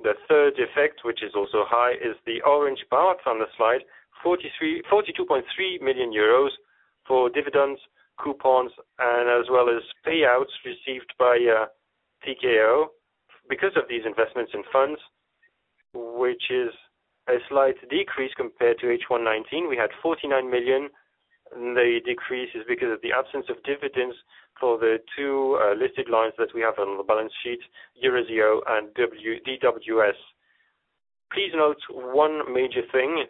The third effect, which is also high, is the orange part on the slide, 42.3 million euros for dividends, coupons and as well as payouts received by Tikehau because of these investments in funds, which is a slight decrease compared to H1 2019. We had 49 million. The decrease is because of the absence of dividends for the two listed lines that we have on the balance sheet, Eurazeo and DWS. Please note one major thing.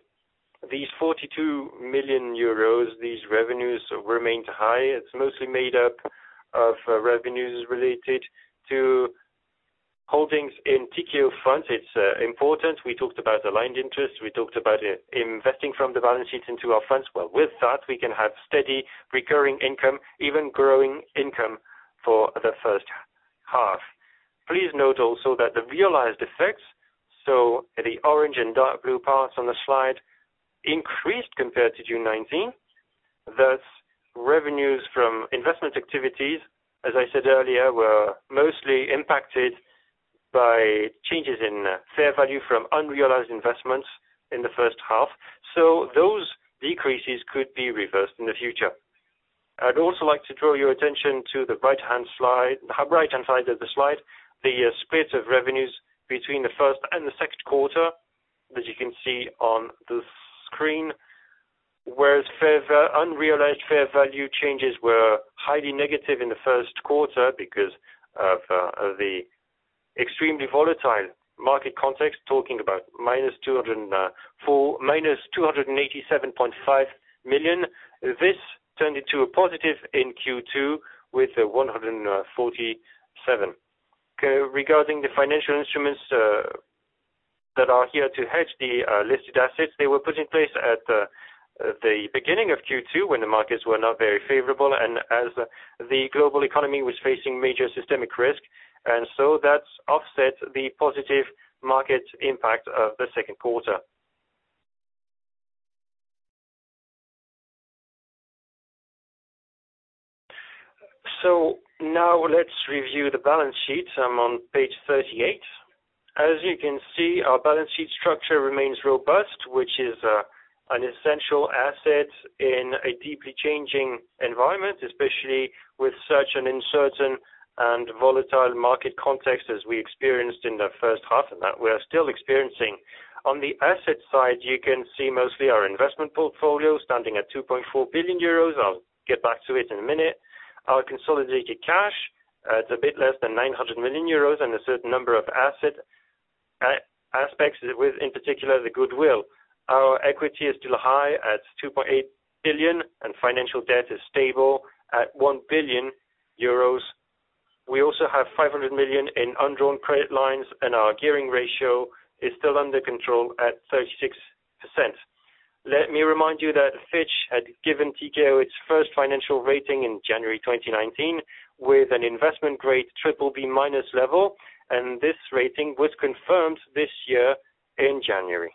These 42 million euros, these revenues remained high. It's mostly made up of revenues related to holdings in Tikehau funds. It's important. We talked about aligned interests. We talked about investing from the balance sheet into our funds. Well, with that, we can have steady recurring income, even growing income for the first half. Please note also that the realized effects, so the orange and dark blue parts on the slide, increased compared to June 2019. Revenues from investment activities, as I said earlier, were mostly impacted by changes in fair value from unrealized investments in the first half. Those decreases could be reversed in the future. I'd also like to draw your attention to the right-hand side of the slide, the split of revenues between the Q1 and the Q2, as you can see on the screen. Whereas unrealized fair value changes were highly negative in the Q1 because of the extremely volatile market context, talking about minus 287.5 million. This turned into a positive in Q2 with 147. Regarding the financial instruments that are here to hedge the listed assets, they were put in place at the beginning of Q2 when the markets were not very favorable and as the global economy was facing major systemic risk. That's offset the positive market impact of the second quarter. Now let's review the balance sheet. I'm on page 38. As you can see, our balance sheet structure remains robust, which is an essential asset in a deeply changing environment, especially with such an uncertain and volatile market context as we experienced in the first half and that we are still experiencing. On the asset side, you can see mostly our investment portfolio standing at 2.4 billion euros. I'll get back to it in a minute. Our consolidated cash, it's a bit less than 900 million euros and a certain number of aspects with, in particular, the goodwill. Our equity is still high at 2.8 billion and financial debt is stable at 1 billion euros. We also have 500 million in undrawn credit lines. Our gearing ratio is still under control at 36%. Let me remind you that Fitch had given Tikehau its first financial rating in January 2019 with an investment grade BBB- level, and this rating was confirmed this year in January.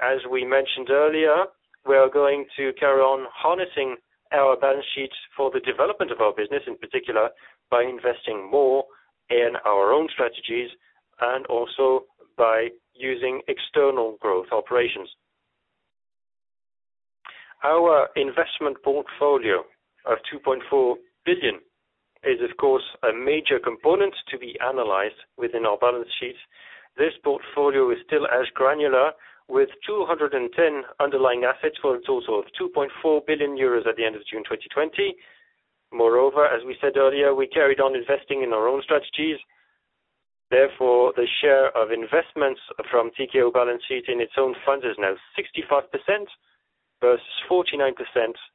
As we mentioned earlier, we are going to carry on harnessing our balance sheet for the development of our business, in particular, by investing more in our own strategies and also by using external growth operations. Our investment portfolio of 2.4 billion is, of course, a major component to be analyzed within our balance sheet. This portfolio is still as granular with 210 underlying assets for a total of 2.4 billion euros at the end of June 2020. Moreover, as we said earlier, we carried on investing in our own strategies. Therefore, the share of investments from Tikehau balance sheet in its own funds is now 65% versus 49%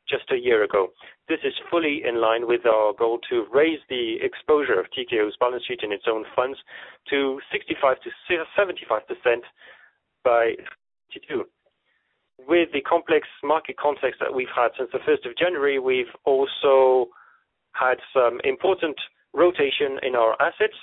just a year ago. This is fully in line with our goal to raise the exposure of Tikehau's balance sheet in its own funds to 65%-75% by 2022. With the complex market context that we've had since the January 1st, we've also had some important rotation in our assets.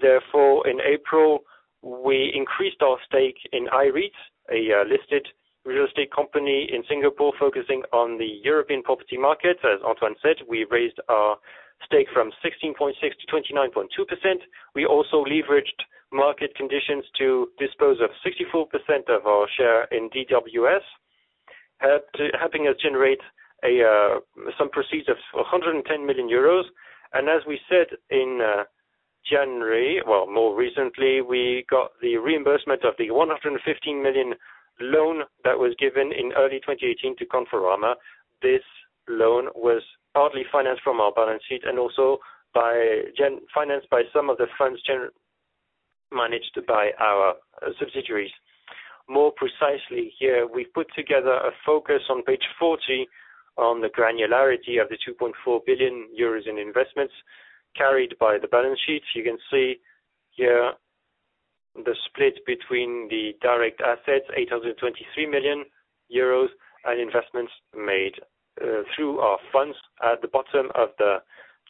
Therefore, in April, we increased our stake in IREIT, a listed real estate company in Singapore focusing on the European property market. As Antoine said, we raised our stake from 16.6%-29.2%. We also leveraged market conditions to dispose of 64% of our share in DWS, helping us generate some proceeds of 110 million euros. As we said in January, well, more recently, we got the reimbursement of the 115 million loan that was given in early 2018 to Conforama. This loan was partly financed from our balance sheet and also financed by some of the funds managed by our subsidiaries. More precisely here, we've put together a focus on page 40 on the granularity of the 2.4 billion euros in investments carried by the balance sheet. You can see here the split between the direct assets, 823 million euros, and investments made through our funds. At the bottom of the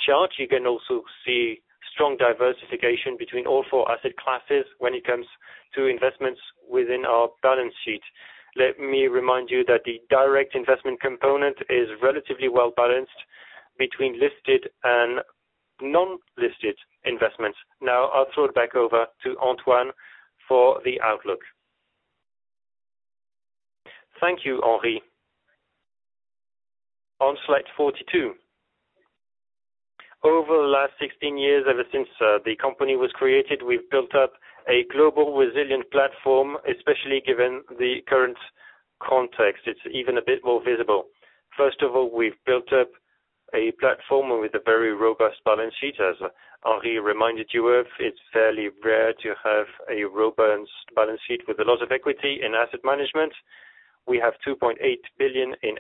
chart, you can also see strong diversification between all four asset classes when it comes to investments within our balance sheet. Let me remind you that the direct investment component is relatively well-balanced between listed and non-listed investments. I'll throw it back over to Antoine for the outlook. Thank you, Henri. On slide 42. Over the last 16 years, ever since the company was created, we've built up a global resilient platform, especially given the current context. It's even a bit more visible. First of all, we've built up a platform with a very robust balance sheet, as Henri reminded you of. It's fairly rare to have a robust balance sheet with a lot of equity in asset management. We have 2.8 billion in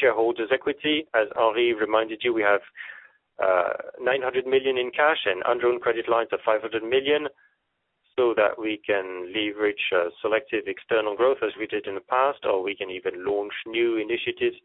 shareholders equity. As Henri reminded you, we have 900 million in cash and undrawn credit lines of 500 million, so that we can leverage selective external growth as we did in the past, or we can even launch new initiatives.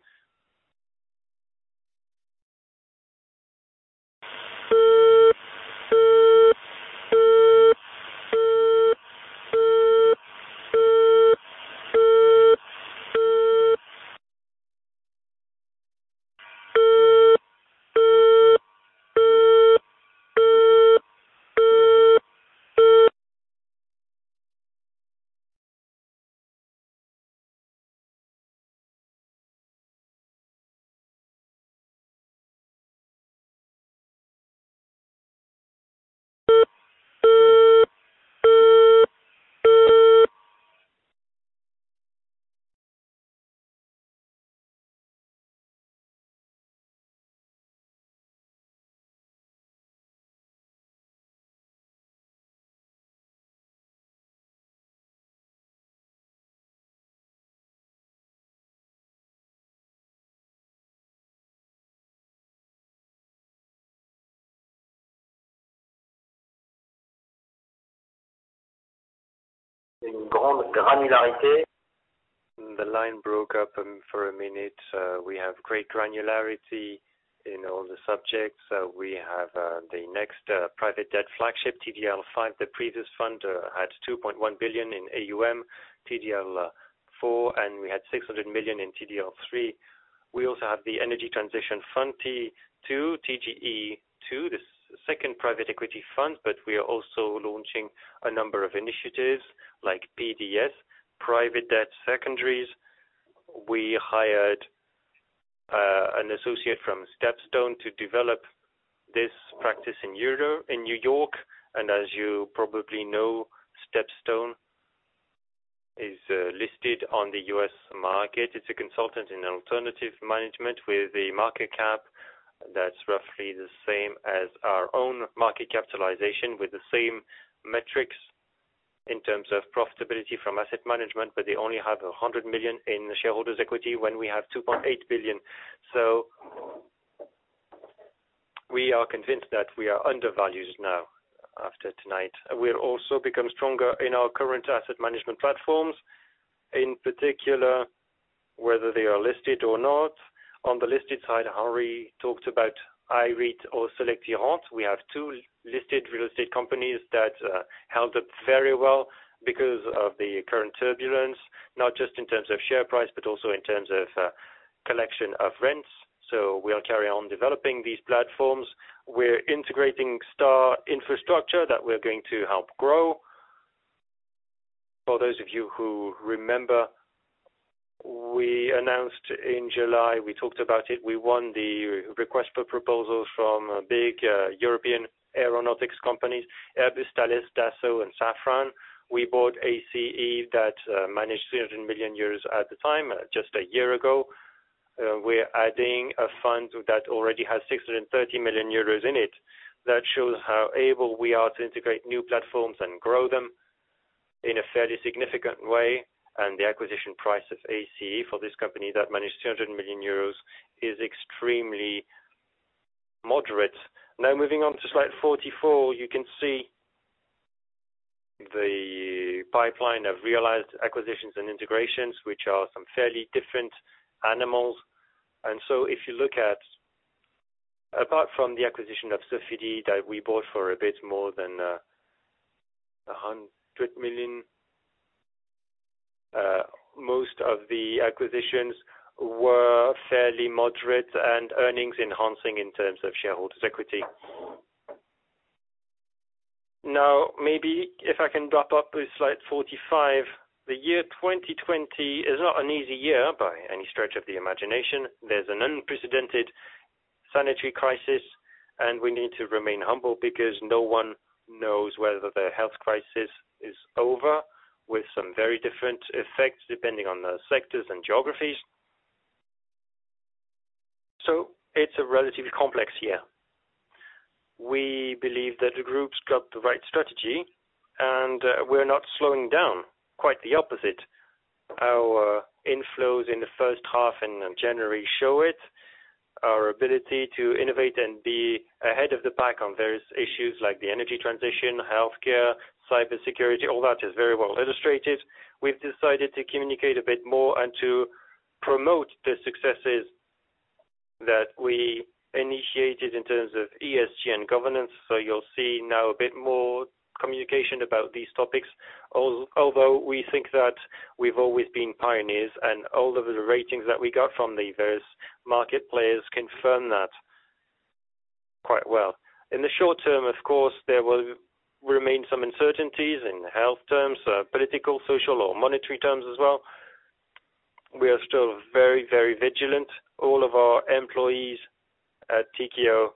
The line broke up for a minute. We have great granularity in all the subjects. We have the next private debt flagship, TDL V. The previous fund had 2.1 billion in AUM, TDL IV, and we had 600 million in TDL III. We also have the energy transition fund, T2, the second private equity fund. We are also launching a number of initiatives like PDS, private debt secondaries. We hired an associate from StepStone to develop this practice in New York, and as you probably know, StepStone is listed on the U.S. market. It's a consultant in alternative management with a market cap that's roughly the same as our own market capitalization, with the same metrics in terms of profitability from asset management, but they only have 100 million in shareholders equity when we have 2.8 billion. We are convinced that we are undervalued now after tonight. We'll also become stronger in our current asset management platforms, in particular, whether they are listed or not. On the listed side, Henri talked about IREIT or Selectirente. We have two listed real estate companies that held up very well because of the current turbulence, not just in terms of share price, but also in terms of collection of rents. We'll carry on developing these platforms. We're integrating Star Infrastructure that we're going to help grow. For those of you who remember, we announced in July, we talked about it, we won the request for proposals from big European aeronautics companies, Airbus, Thales, Dassault, and Safran. We bought ACE that managed 300 million euros at the time, just a year ago. We're adding a fund that already has 630 million euros in it. That shows how able we are to integrate new platforms and grow them in a fairly significant way. The acquisition price of ACE for this company that managed 300 million euros is extremely moderate. Moving on to slide 44, you can see the pipeline of realized acquisitions and integrations, which are some fairly different animals. If you look at, apart from the acquisition of Sofidy that we bought for a bit more than 100 million. Most of the acquisitions were fairly moderate and earnings enhancing in terms of shareholders' equity. Maybe if I can drop up with slide 45. The year 2020 is not an easy year by any stretch of the imagination. There's an unprecedented sanitary crisis, and we need to remain humble because no one knows whether the health crisis is over, with some very different effects depending on the sectors and geographies. It's a relatively complex year. We believe that the groups got the right strategy, and we're not slowing down. Quite the opposite. Our inflows in the first half in January show it, our ability to innovate and be ahead of the pack on various issues like the energy transition, healthcare, cybersecurity, all that is very well illustrated. We've decided to communicate a bit more and to promote the successes that we initiated in terms of ESG governance. You'll see now a bit more communication about these topics. We think that we've always been pioneers, and all of the ratings that we got from the various market players confirm that quite well. In the short-term, of course, there will remain some uncertainties in health terms, political, social, or monetary terms as well. We are still very vigilant. All of our employees at Tikehau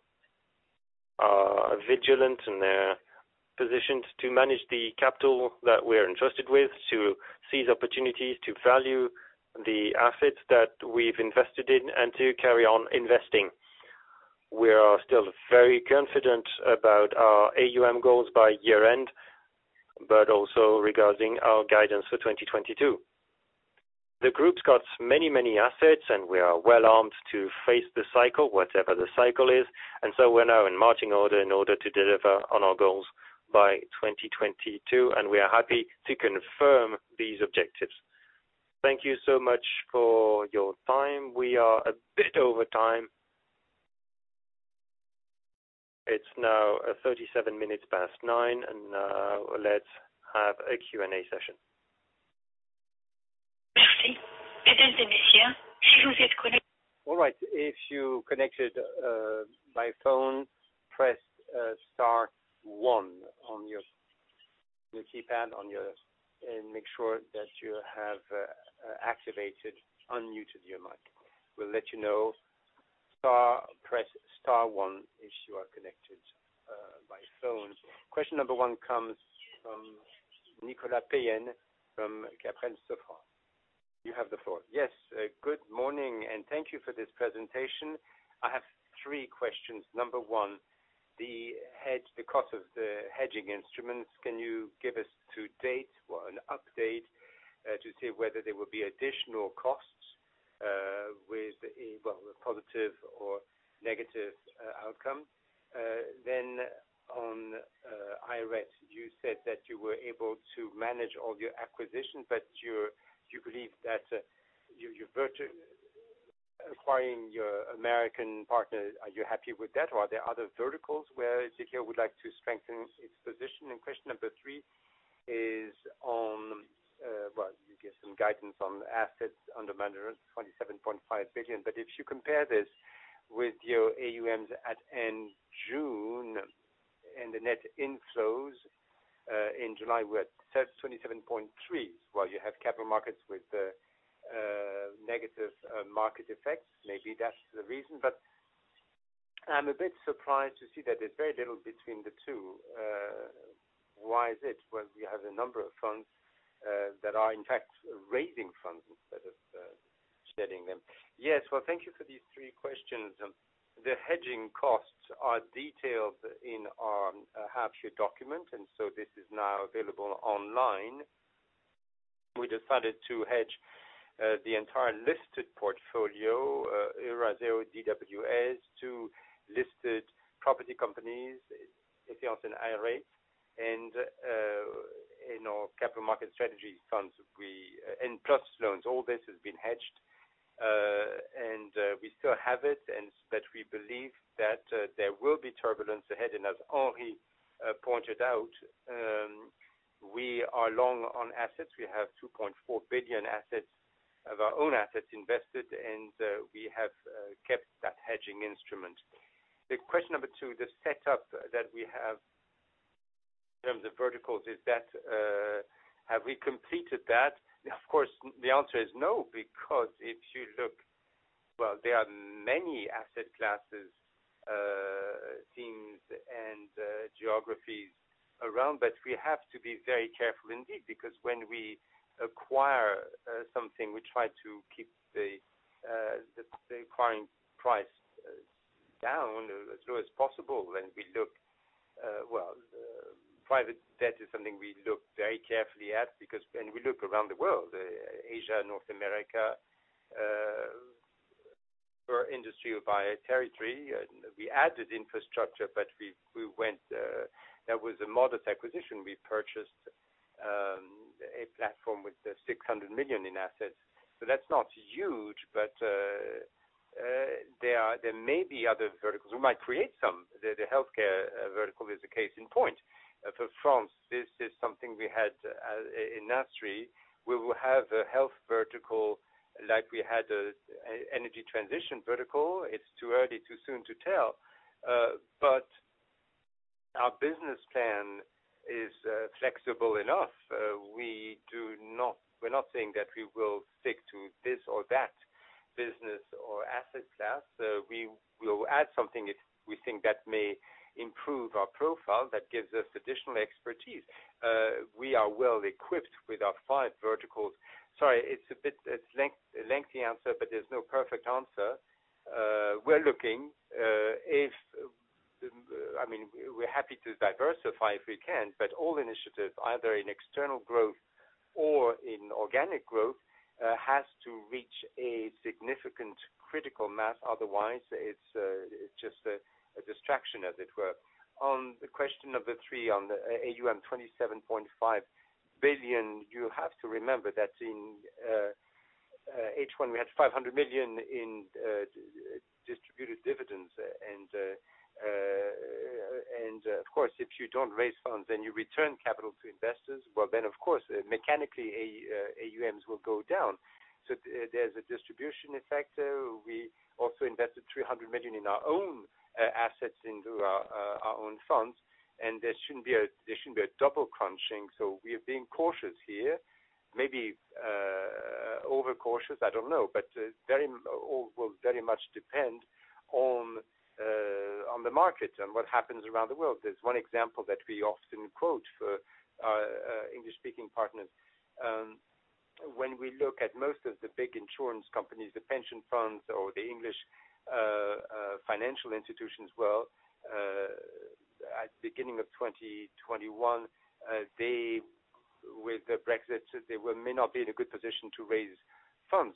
are vigilant, and they're positioned to manage the capital that we're entrusted with to seize opportunities to value the assets that we've invested in and to carry on investing. We are still very confident about our AUM goals by year-end, but also regarding our guidance for 2022. The group's got many assets, and we are well-armed to face the cycle, whatever the cycle is. We're now in marching order in order to deliver on our goals by 2022, and we are happy to confirm these objectives. Thank you so much for your time. We are a bit over time. It's now 9:37 A.M., and now let's have a Q&A session. All right. If you connected by phone, press star one on your keypad and make sure that you have activated, unmuted your mic. We'll let you know. Press star one if you are connected by phone. Question number one comes from Nicolas Payen from Kepler Cheuvreux. You have the floor. Yes. Good morning, thank you for this presentation. I have three questions. Number one, the cost of the hedging instruments. Can you give us to date or an update to say whether there will be additional costs with a positive or negative outcome? On IRESS, you said that you were able to manage all your acquisitions, but you believe that you're acquiring your American partner. Are you happy with that, are there other verticals where Tikehau would like to strengthen its position? Question number three is on, well, you gave some guidance on assets under management, 27.5 billion, but if you compare this with your AUMs at end June and the net inflows in July were at 27.3 billion. Well, you have capital markets with negative market effects. Maybe that's the reason, but I'm a bit surprised to see that there's very little between the two. Why is it when we have a number of funds that are, in fact, raising funds instead of shedding them? Yes. Thank you for these three questions. The hedging costs are detailed in our half-year document. This is now available online. We decided to hedge the entire listed portfolio, Eurazeo, DWS, to listed property companies, Efiance and IRE, in our capital market strategies funds, plus loans. All this has been hedged. We still have it. We believe that there will be turbulence ahead, as Henri pointed out, we are long on assets. We have 2.4 billion of our own assets invested. We have kept that hedging instrument. The question number two, the setup that we have in terms of verticals, have we completed that? Of course, the answer is no, because if you look, well, there are many asset classes, themes, and geographies around, but we have to be very careful indeed, because when we acquire something, we try to keep the acquiring price down as low as possible. Well, private debt is something we look very carefully at because when we look around the world, Asia, North America, per industry or by territory, we added infrastructure, but that was a modest acquisition. We purchased a platform with 600 million in assets. That's not huge, but there may be other verticals. We might create some. The healthcare vertical is a case in point. For France, this is something we had in industry. We will have a health vertical like we had an energy transition vertical. It's too early, too soon to tell. Our business plan is flexible enough. We're not saying that we will stick to this or that business or asset class. We will add something if we think that may improve our profile, that gives us additional expertise. We are well-equipped with our five verticals. Sorry, it's a lengthy answer, but there's no perfect answer. We're looking. We're happy to diversify if we can, but all initiatives, either in external growth or in organic growth, have to reach a significant critical mass. Otherwise, it's just a distraction, as it were. On the question of the three on the AUM 27.5 billion, you have to remember that in H1 we had 500 million in distributed dividends. Of course, if you don't raise funds, then you return capital to investors. Of course, mechanically, AUMs will go down. There's a distribution effect. We also invested 300 million in our own assets into our own funds, and there shouldn't be a double crunching. We are being cautious here. Maybe overcautious, I don't know. All will very much depend on the market and what happens around the world. There's one example that we often quote for our English-speaking partners. When we look at most of the big insurance companies, the pension funds, or the English financial institutions as well, at the beginning of 2021, with the Brexit, they may not be in a good position to raise funds.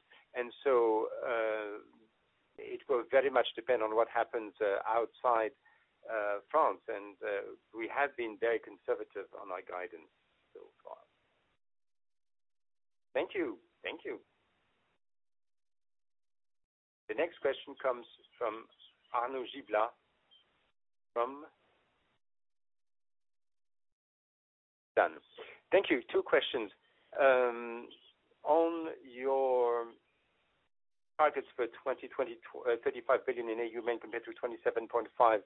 It will very much depend on what happens outside France, and we have been very conservative on our guidance so far. Thank you. Thank you. The next question comes from Arnaud Giblat from Exane. Thank you. Two questions. On your targets for 2022, 35 billion in AUM compared to 27.5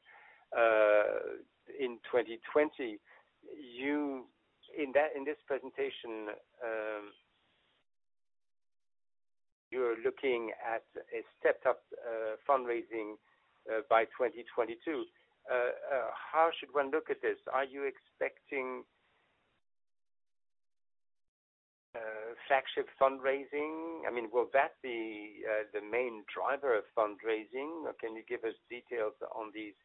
in 2020. In this presentation, you are looking at a stepped-up fundraising by 2022. How should one look at this? Are you expecting flagship fundraising? Will that be the main driver of fundraising, or can you give us details on these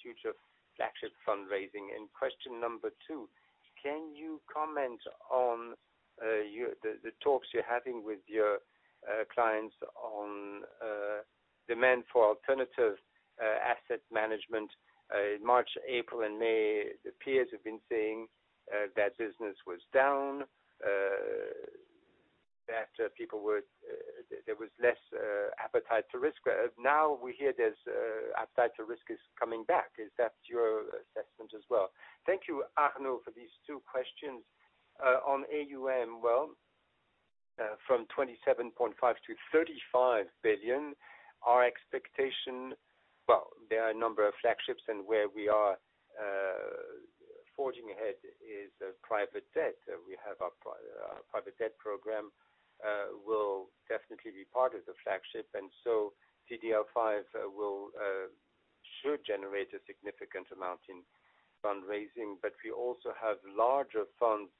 future flagship fundraising? Question number two, can you comment on the talks you are having with your clients on demand for alternative asset management? March, April, and May, the peers have been saying that business was down, that there was less appetite to risk. Now we hear appetite to risk is coming back. Is that your assessment as well? Thank you, Arnaud, for these two questions. On AUM, well, from 27.5 to 35 billion, our expectation. Well, where we are forging ahead is private debt. We have our private debt program will definitely be part of the flagship, so TDL V should generate a significant amount in fundraising. We also have larger funds.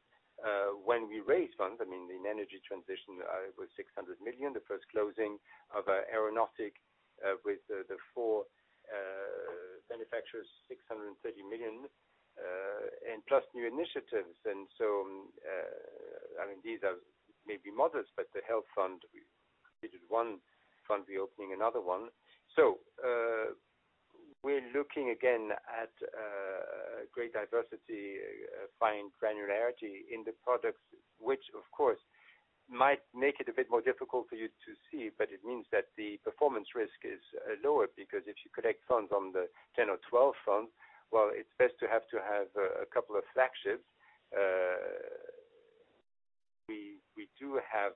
When we raise funds, I mean, in energy transition, it was 600 million, the first closing of our aeronautic with the four manufacturers, 630 million, plus new initiatives. So, these are maybe modest, but the Health Fund, we completed one fund, we're opening another one. We're looking again at great diversity, fine granularity in the products, which, of course, might make it a bit more difficult for you to see, but it means that the performance risk is lower because if you collect funds on the 10 or 12 funds, well, it's best to have a couple of flagships. We do have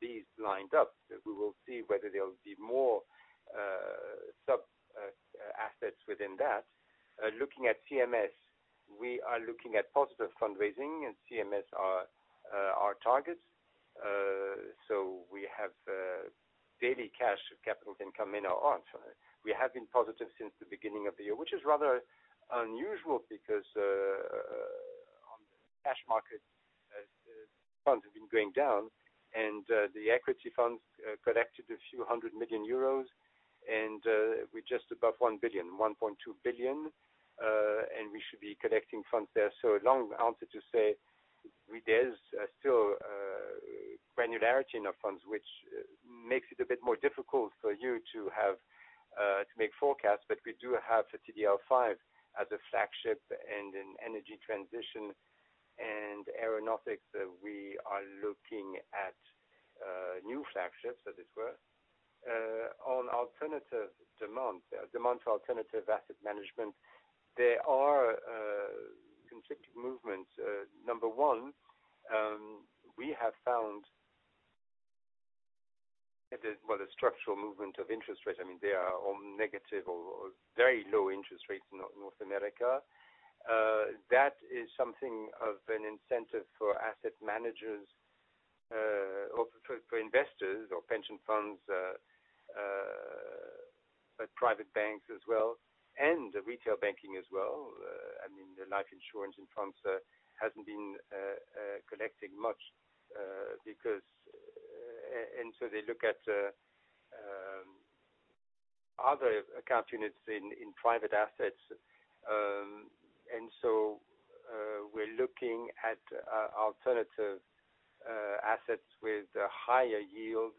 these lined up. We will see whether there will be more sub-assets within that. Looking at CMS, we are looking at positive fundraising, and CMS are our targets. We have daily cash capital can come in or out. We have been positive since the beginning of the year, which is rather unusual because on the cash market, funds have been going down, and the equity funds collected a few hundred million EUR, and we're just above 1 billion, 1.2 billion, and we should be collecting funds there. A long answer to say there's still granularity in our funds which makes it a bit more difficult for you to make forecasts. We do have TDL V as a flagship. In energy transition and aeronautics, we are looking at new flagships, so to speak. On alternative demand for alternative asset management, there are consecutive movements. Number one, we have found a structural movement of interest rates. They are all negative or very low interest rates in North America. That is something of an incentive for asset managers, for investors or pension funds, private banks as well, and retail banking as well. The life insurance in France hasn't been collecting much. They look at other account units in private assets. We're looking at alternative assets with higher yield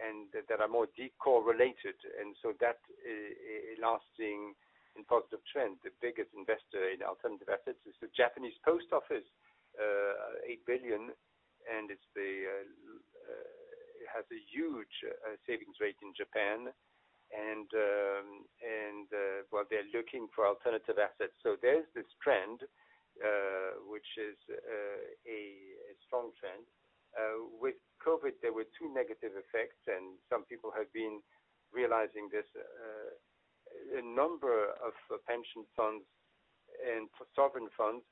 and that are more de-correlated. That is a lasting and positive trend. The biggest investor in alternative assets is the Japanese Post Office, 8 billion. It has a huge savings rate in Japan. Well, they're looking for alternative assets. There's this trend, which is a strong trend. With COVID, there were two negative effects, and some people have been realizing this. A number of pension funds and sovereign funds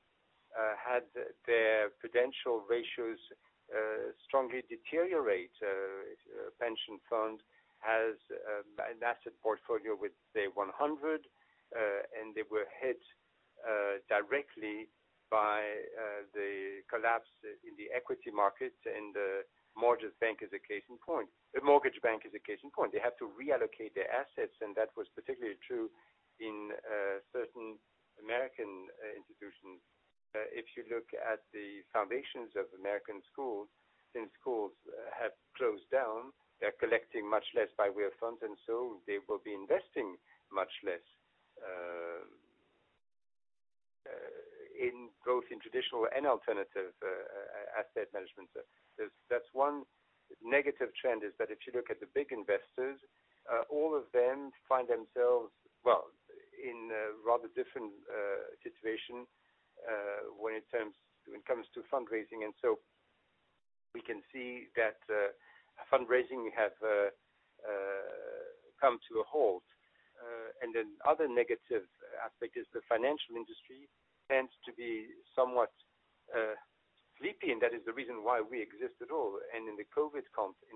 had their prudential ratios strongly deteriorate. A pension fund has an asset portfolio with, say, 100, and they were hit directly by the collapse in the equity markets. Mortgage Bank is a case in point. They had to reallocate their assets, and that was particularly true in certain American institutions. If you look at the foundations of American schools, since schools have closed down, they're collecting much less by way of funds, they will be investing much less, both in traditional and alternative asset management. That's one negative trend, is that if you look at the big investors, all of them find themselves in a rather different situation when it comes to fundraising. We can see that fundraising have come to a halt. Another negative aspect is the financial industry tends to be somewhat sleepy, and that is the reason why we exist at all. In the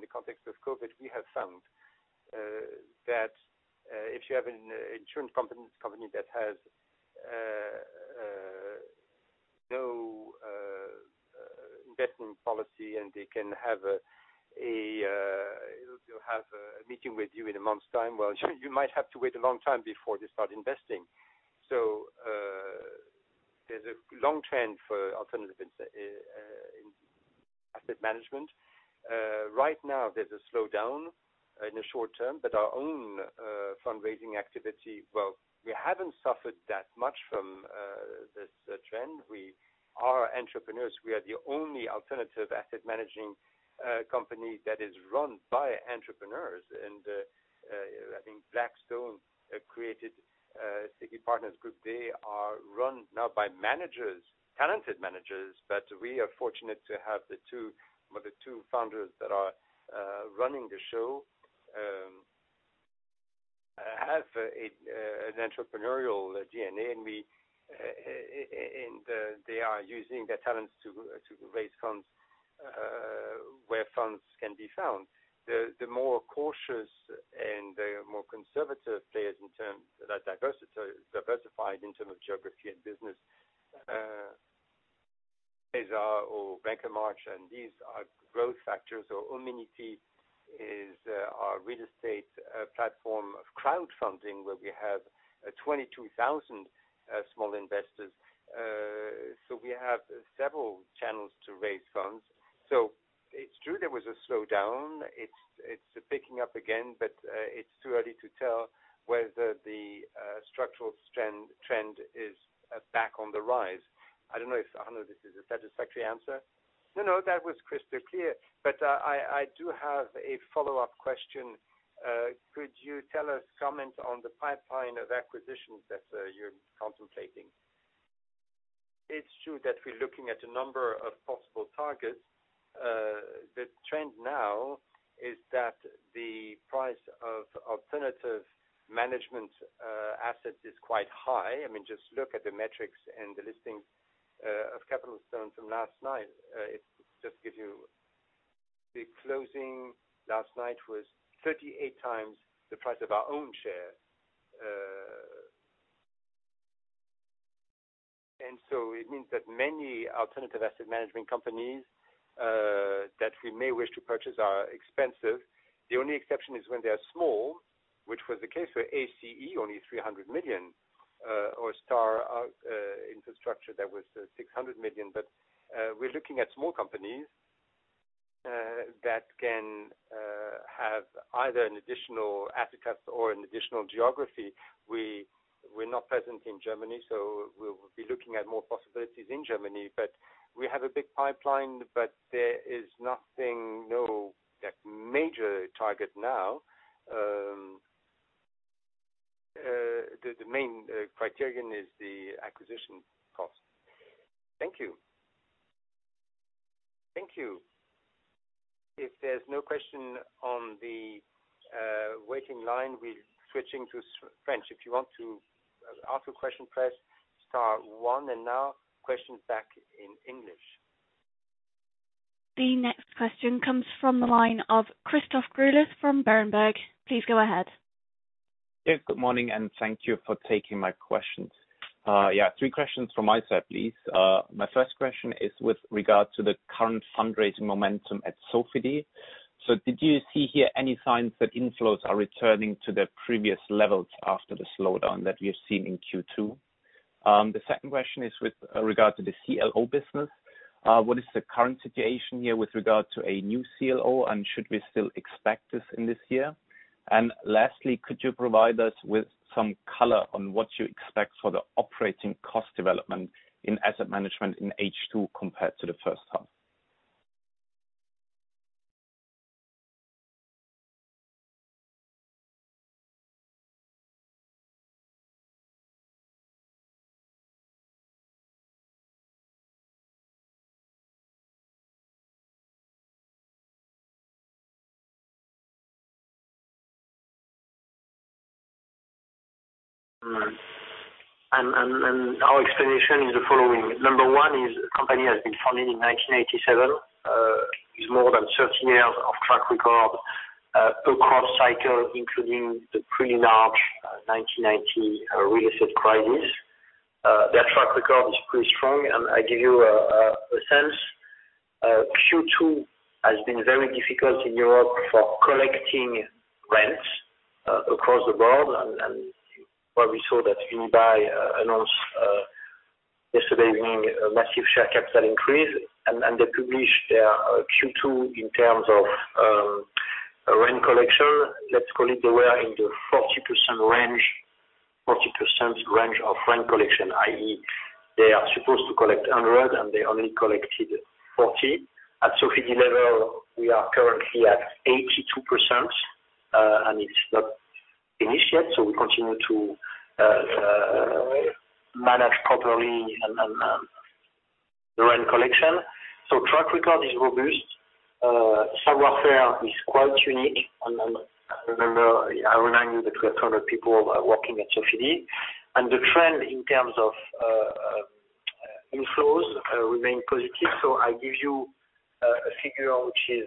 context of COVID, we have found that if you have an insurance company that has no investment policy, and they'll have a meeting with you in a month's time. Well, you might have to wait a long time before they start investing. There's a long trend for alternative asset management. Right now, there's a slowdown in the short term. Our own fundraising activity, well, we haven't suffered that much from this trend. We are entrepreneurs. We are the only alternative asset management company that is run by entrepreneurs. I think Blackstone created City Partners Group. They are run now by managers, talented managers. We are fortunate to have the two founders that are running the show have an entrepreneurial DNA. They are using their talents to raise funds where funds can be found. The more cautious and the more conservative players in terms that are diversified in terms of geography and business are or Banca March, and these are growth factors, or Homunity is our real estate platform of crowdfunding, where we have 22,000 small investors. We have several channels to raise funds. It's true there was a slowdown. It's picking up again. It's too early to tell whether the structural trend is back on the rise. I don't know if, Arnaud, is this a satisfactory answer? No, that was crystal clear. I do have a follow-up question. Could you tell us, comment on the pipeline of acquisitions that you're contemplating? It's true that we're looking at a number of possible targets. The trend now is that the price of alternative management assets is quite high. Just look at the metrics and the listings of StepStone from last night. The closing last night was 38x the price of our own share. It means that many alternative asset management companies that we may wish to purchase are expensive. The only exception is when they are small, which was the case for ACE, only 300 million. Star infrastructure that was 600 million. We're looking at small companies that can have either an additional asset class or an additional geography. We're not present in Germany. We'll be looking at more possibilities in Germany. We have a big pipeline, but there is nothing, no major target now. The main criterion is the acquisition cost. Thank you. Thank you. If there's no question on the waiting line, we're switching to French. If you want to ask a question, press star one, and now questions back in English. The next question comes from the line of Christoph Greulich from Berenberg. Please go ahead. Yes, good morning, and thank you for taking my questions. Three questions from my side, please. My first question is with regard to the current fundraising momentum at Sofidy. Did you see here any signs that inflows are returning to their previous levels after the slowdown that we have seen in Q2? The second question is with regard to the CLO business. What is the current situation here with regard to a new CLO, and should we still expect this in this year? Lastly, could you provide us with some color on what you expect for the operating cost development in asset management in H2 compared to the first half? Our explanation is the following. Number one is the company has been founded in 1987, is more than 30 years of track record across cycles, including the pretty large 1990 real estate crisis. Their track record is pretty strong. I give you a sense. Q2 has been very difficult in Europe for collecting rents across the board. You probably saw that Unibail-Rodamco-Westfield announced yesterday evening a massive share capital increase. They published their Q2 in terms of rent collection. Let's call it they were in the 40% range of rent collection, i.e., they are supposed to collect 100, they only collected 40. At Sofidy level, we are currently at 82%. It's not finished yet, we continue to manage properly the rent collection. Track record is robust. Savoir-faire is quite unique. Remember, I remind you that we have 100 people working at Sofidy. The trend in terms of inflows remain positive. I give you a figure which is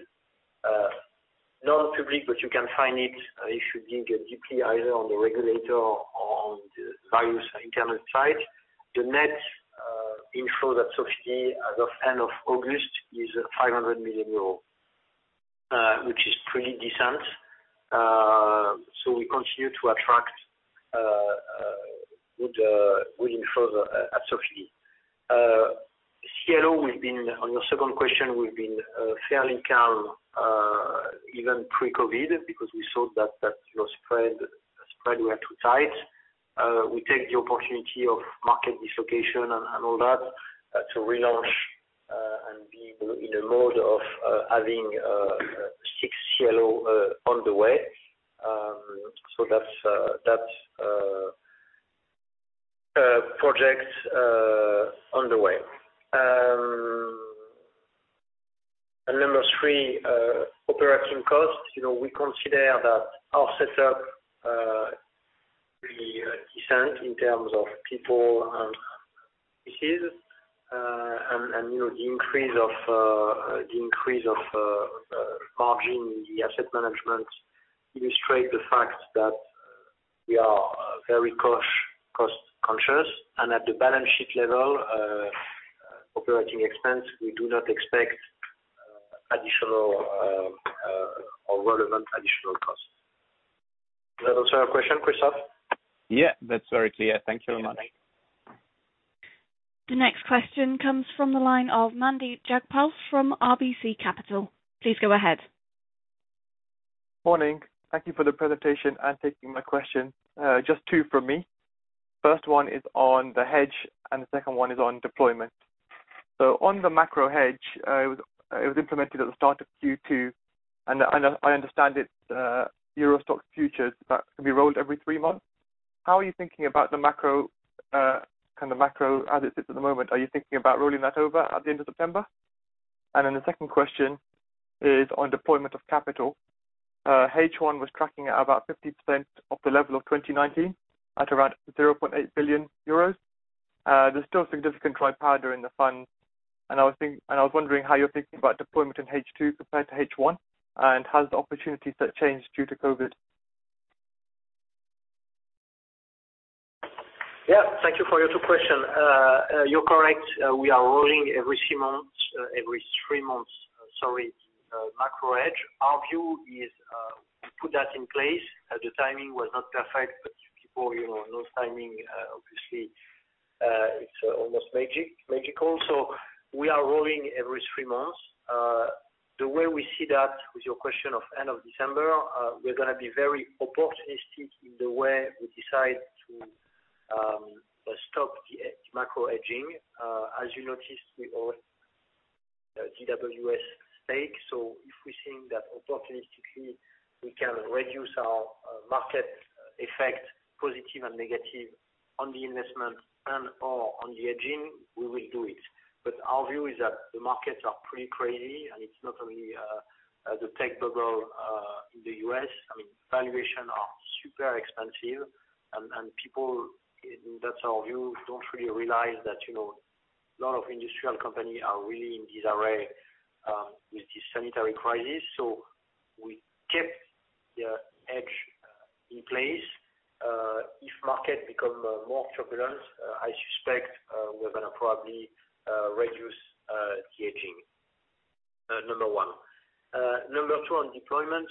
not public, but you can find it if you dig deeply either on the regulator or on the various internet site. The net inflow that Sofidy as of end of August is EUR 500 million, which is pretty decent. We continue to attract good inflows at Sofidy. CLO, on your second question, we've been fairly calm, even pre-COVID, because we saw that your spread were too tight. We take the opportunity of market dislocation and all that to relaunch, and be in a mode of having six CLO on the way. That's projects underway. Number three, operating costs. We consider that our set up pretty decent in terms of people. The increase of margin in the asset management illustrate the fact that we are very cost-conscious. At the balance sheet level, operating expense, we do not expect additional or relevant additional costs. Is that also your question, Christoph? Yeah. That's very clear. Thank you very much. The next question comes from the line of Mandeep Jagpal from RBC Capital. Please go ahead. Morning. Thank you for the presentation and taking my question. Just two from me. First one is on the hedge, and the second one is on deployment. On the macro hedge, it was implemented at the start of Q2, and I understand it's Euro Stoxx futures that can be rolled every three months. How are you thinking about the macro as it sits at the moment? Are you thinking about rolling that over at the end of September? The second question is on deployment of capital. H1 was tracking at about 50% of the level of 2019 at around €0.8 billion. There's still significant dry powder in the fund, and I was wondering how you're thinking about deployment in H2 compared to H1, and has the opportunities there changed due to COVID? Thank you for your two questions. You are correct. We are rolling every three months. Sorry. Macro hedge. Our view is. To put that in place, the timing was not perfect, but people know timing, obviously, it's almost magical. We are rolling every three months. The way we see that with your question of end of December, we're going to be very opportunistic in the way we decide to stop the macro hedging. As you noticed, we own DWS stake. If we think that opportunistically, we can reduce our market effect, positive and negative on the investment and/or on the hedging, we will do it. Our view is that the markets are pretty crazy, and it's not only the tech bubble in the U.S. I mean, valuation are super expensive, and people, in that view, don't really realize that a lot of industrial companies are really in disarray with this sanitary crisis. We kept the hedge in place. If market become more turbulent, I suspect we're going to probably reduce the hedging, number one. Number two, on deployment.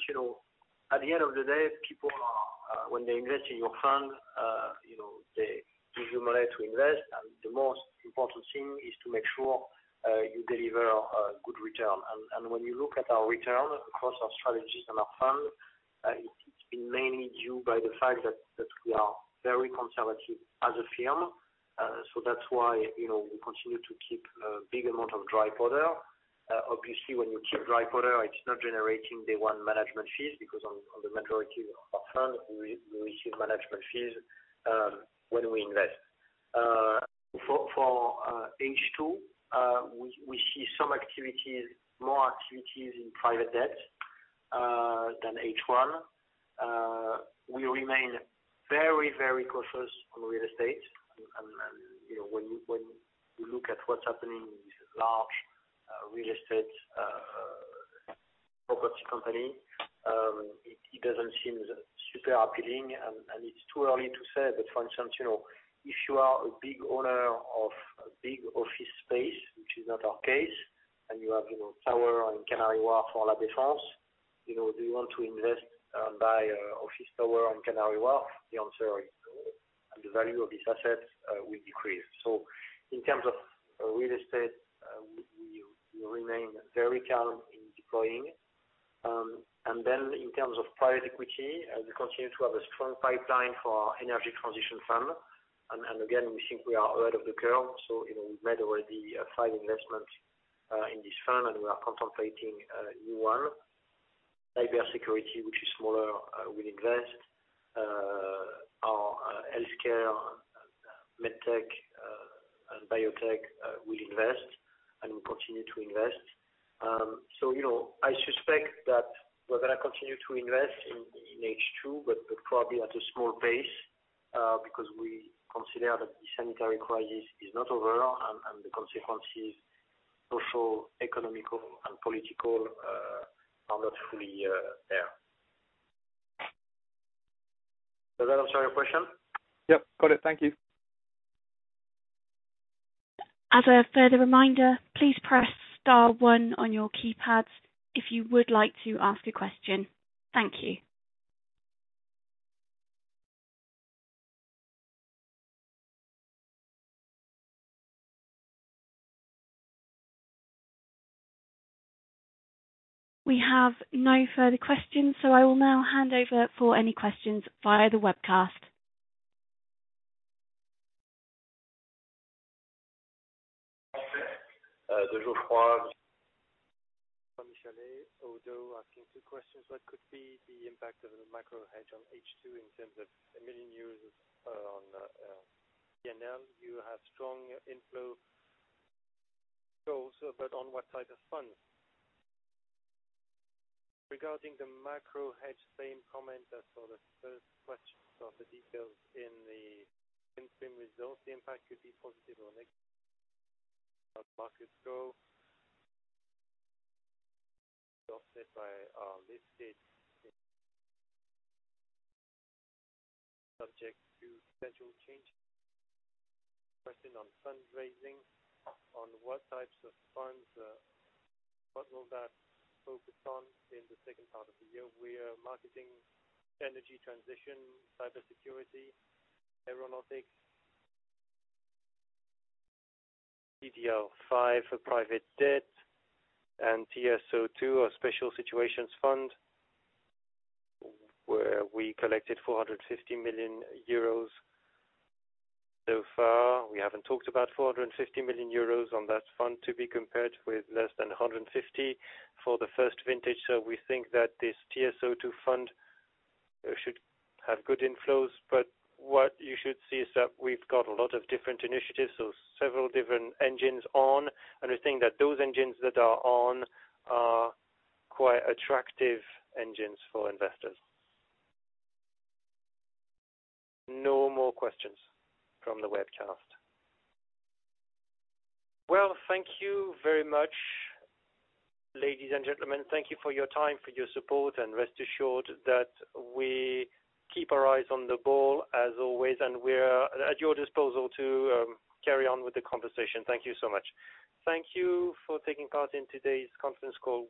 At the end of the day, people when they invest in your fund, they give you money to invest, the most important thing is to make sure you deliver a good return. When you look at our return across our strategies and our fund, it's been mainly due by the fact that we are very conservative as a firm. That's why we continue to keep a big amount of dry powder. Obviously, when you keep dry powder, it's not generating day one management fees, because on the majority of our fund, we receive management fees when we invest. For H2, we see some activities, more activities in private debt than H1. We remain very, very cautious on real estate. When you look at what's happening with large real estate property company, it doesn't seem super appealing, and it's too early to say. For instance, if you are a big owner of a big office space, which is not our case, and you have tower on Canary Wharf or La Défense, do you want to invest and buy office tower on Canary Wharf? The answer is no. The value of this asset will decrease. In terms of real estate, we will remain very calm in deploying. In terms of private equity, we continue to have a strong pipeline for our Energy Transition Fund. Again, we think we are ahead of the curve. We've made already five investments in this fund, and we are contemplating a new one. Cybersecurity, which is smaller, we'll invest. Our healthcare, med tech, and biotech, we'll invest, and we'll continue to invest. I suspect that we're going to continue to invest in H2, but probably at a small pace, because we consider that the sanitary crisis is not over, and the consequences, social, economic, and political, are not fully there. Does that answer your question? Yep. Got it. Thank you. As a further reminder, please press star one on your keypads if you would like to ask a question. Thank you. I will now hand over for any questions via the webcast. Perfect. De Geoffroy. Jean-Michel Oudo asking two questions. What could be the impact of the micro-hedge on H2 in terms of million on P&L? You have strong inflow goals, on what type of funds? Regarding the micro-hedge, same comment as for the first question. The details in the interim results, the impact could be positive or negative. As markets go, offset by listed subject to potential change. Question on fundraising, on what types of funds, what will that focus on in the second part of the year? We are marketing energy transition, cybersecurity, aeronautics, TDL V for private debt, and TSO II, our special situations fund, where we collected 450 million euros so far. We haven't talked about 450 million euros on that fund, to be compared with less than 150 for the first vintage. We think that this TSO II fund should have good inflows. What you should see is that we've got a lot of different initiatives, so several different engines on. We think that those engines that are on are quite attractive engines for investors. No more questions from the webcast. Well, thank you very much, ladies and gentlemen. Thank you for your time, for your support, and rest assured that we keep our eyes on the ball as always, and we're at your disposal to carry on with the conversation. Thank you so much. Thank you for taking part in today's conference call.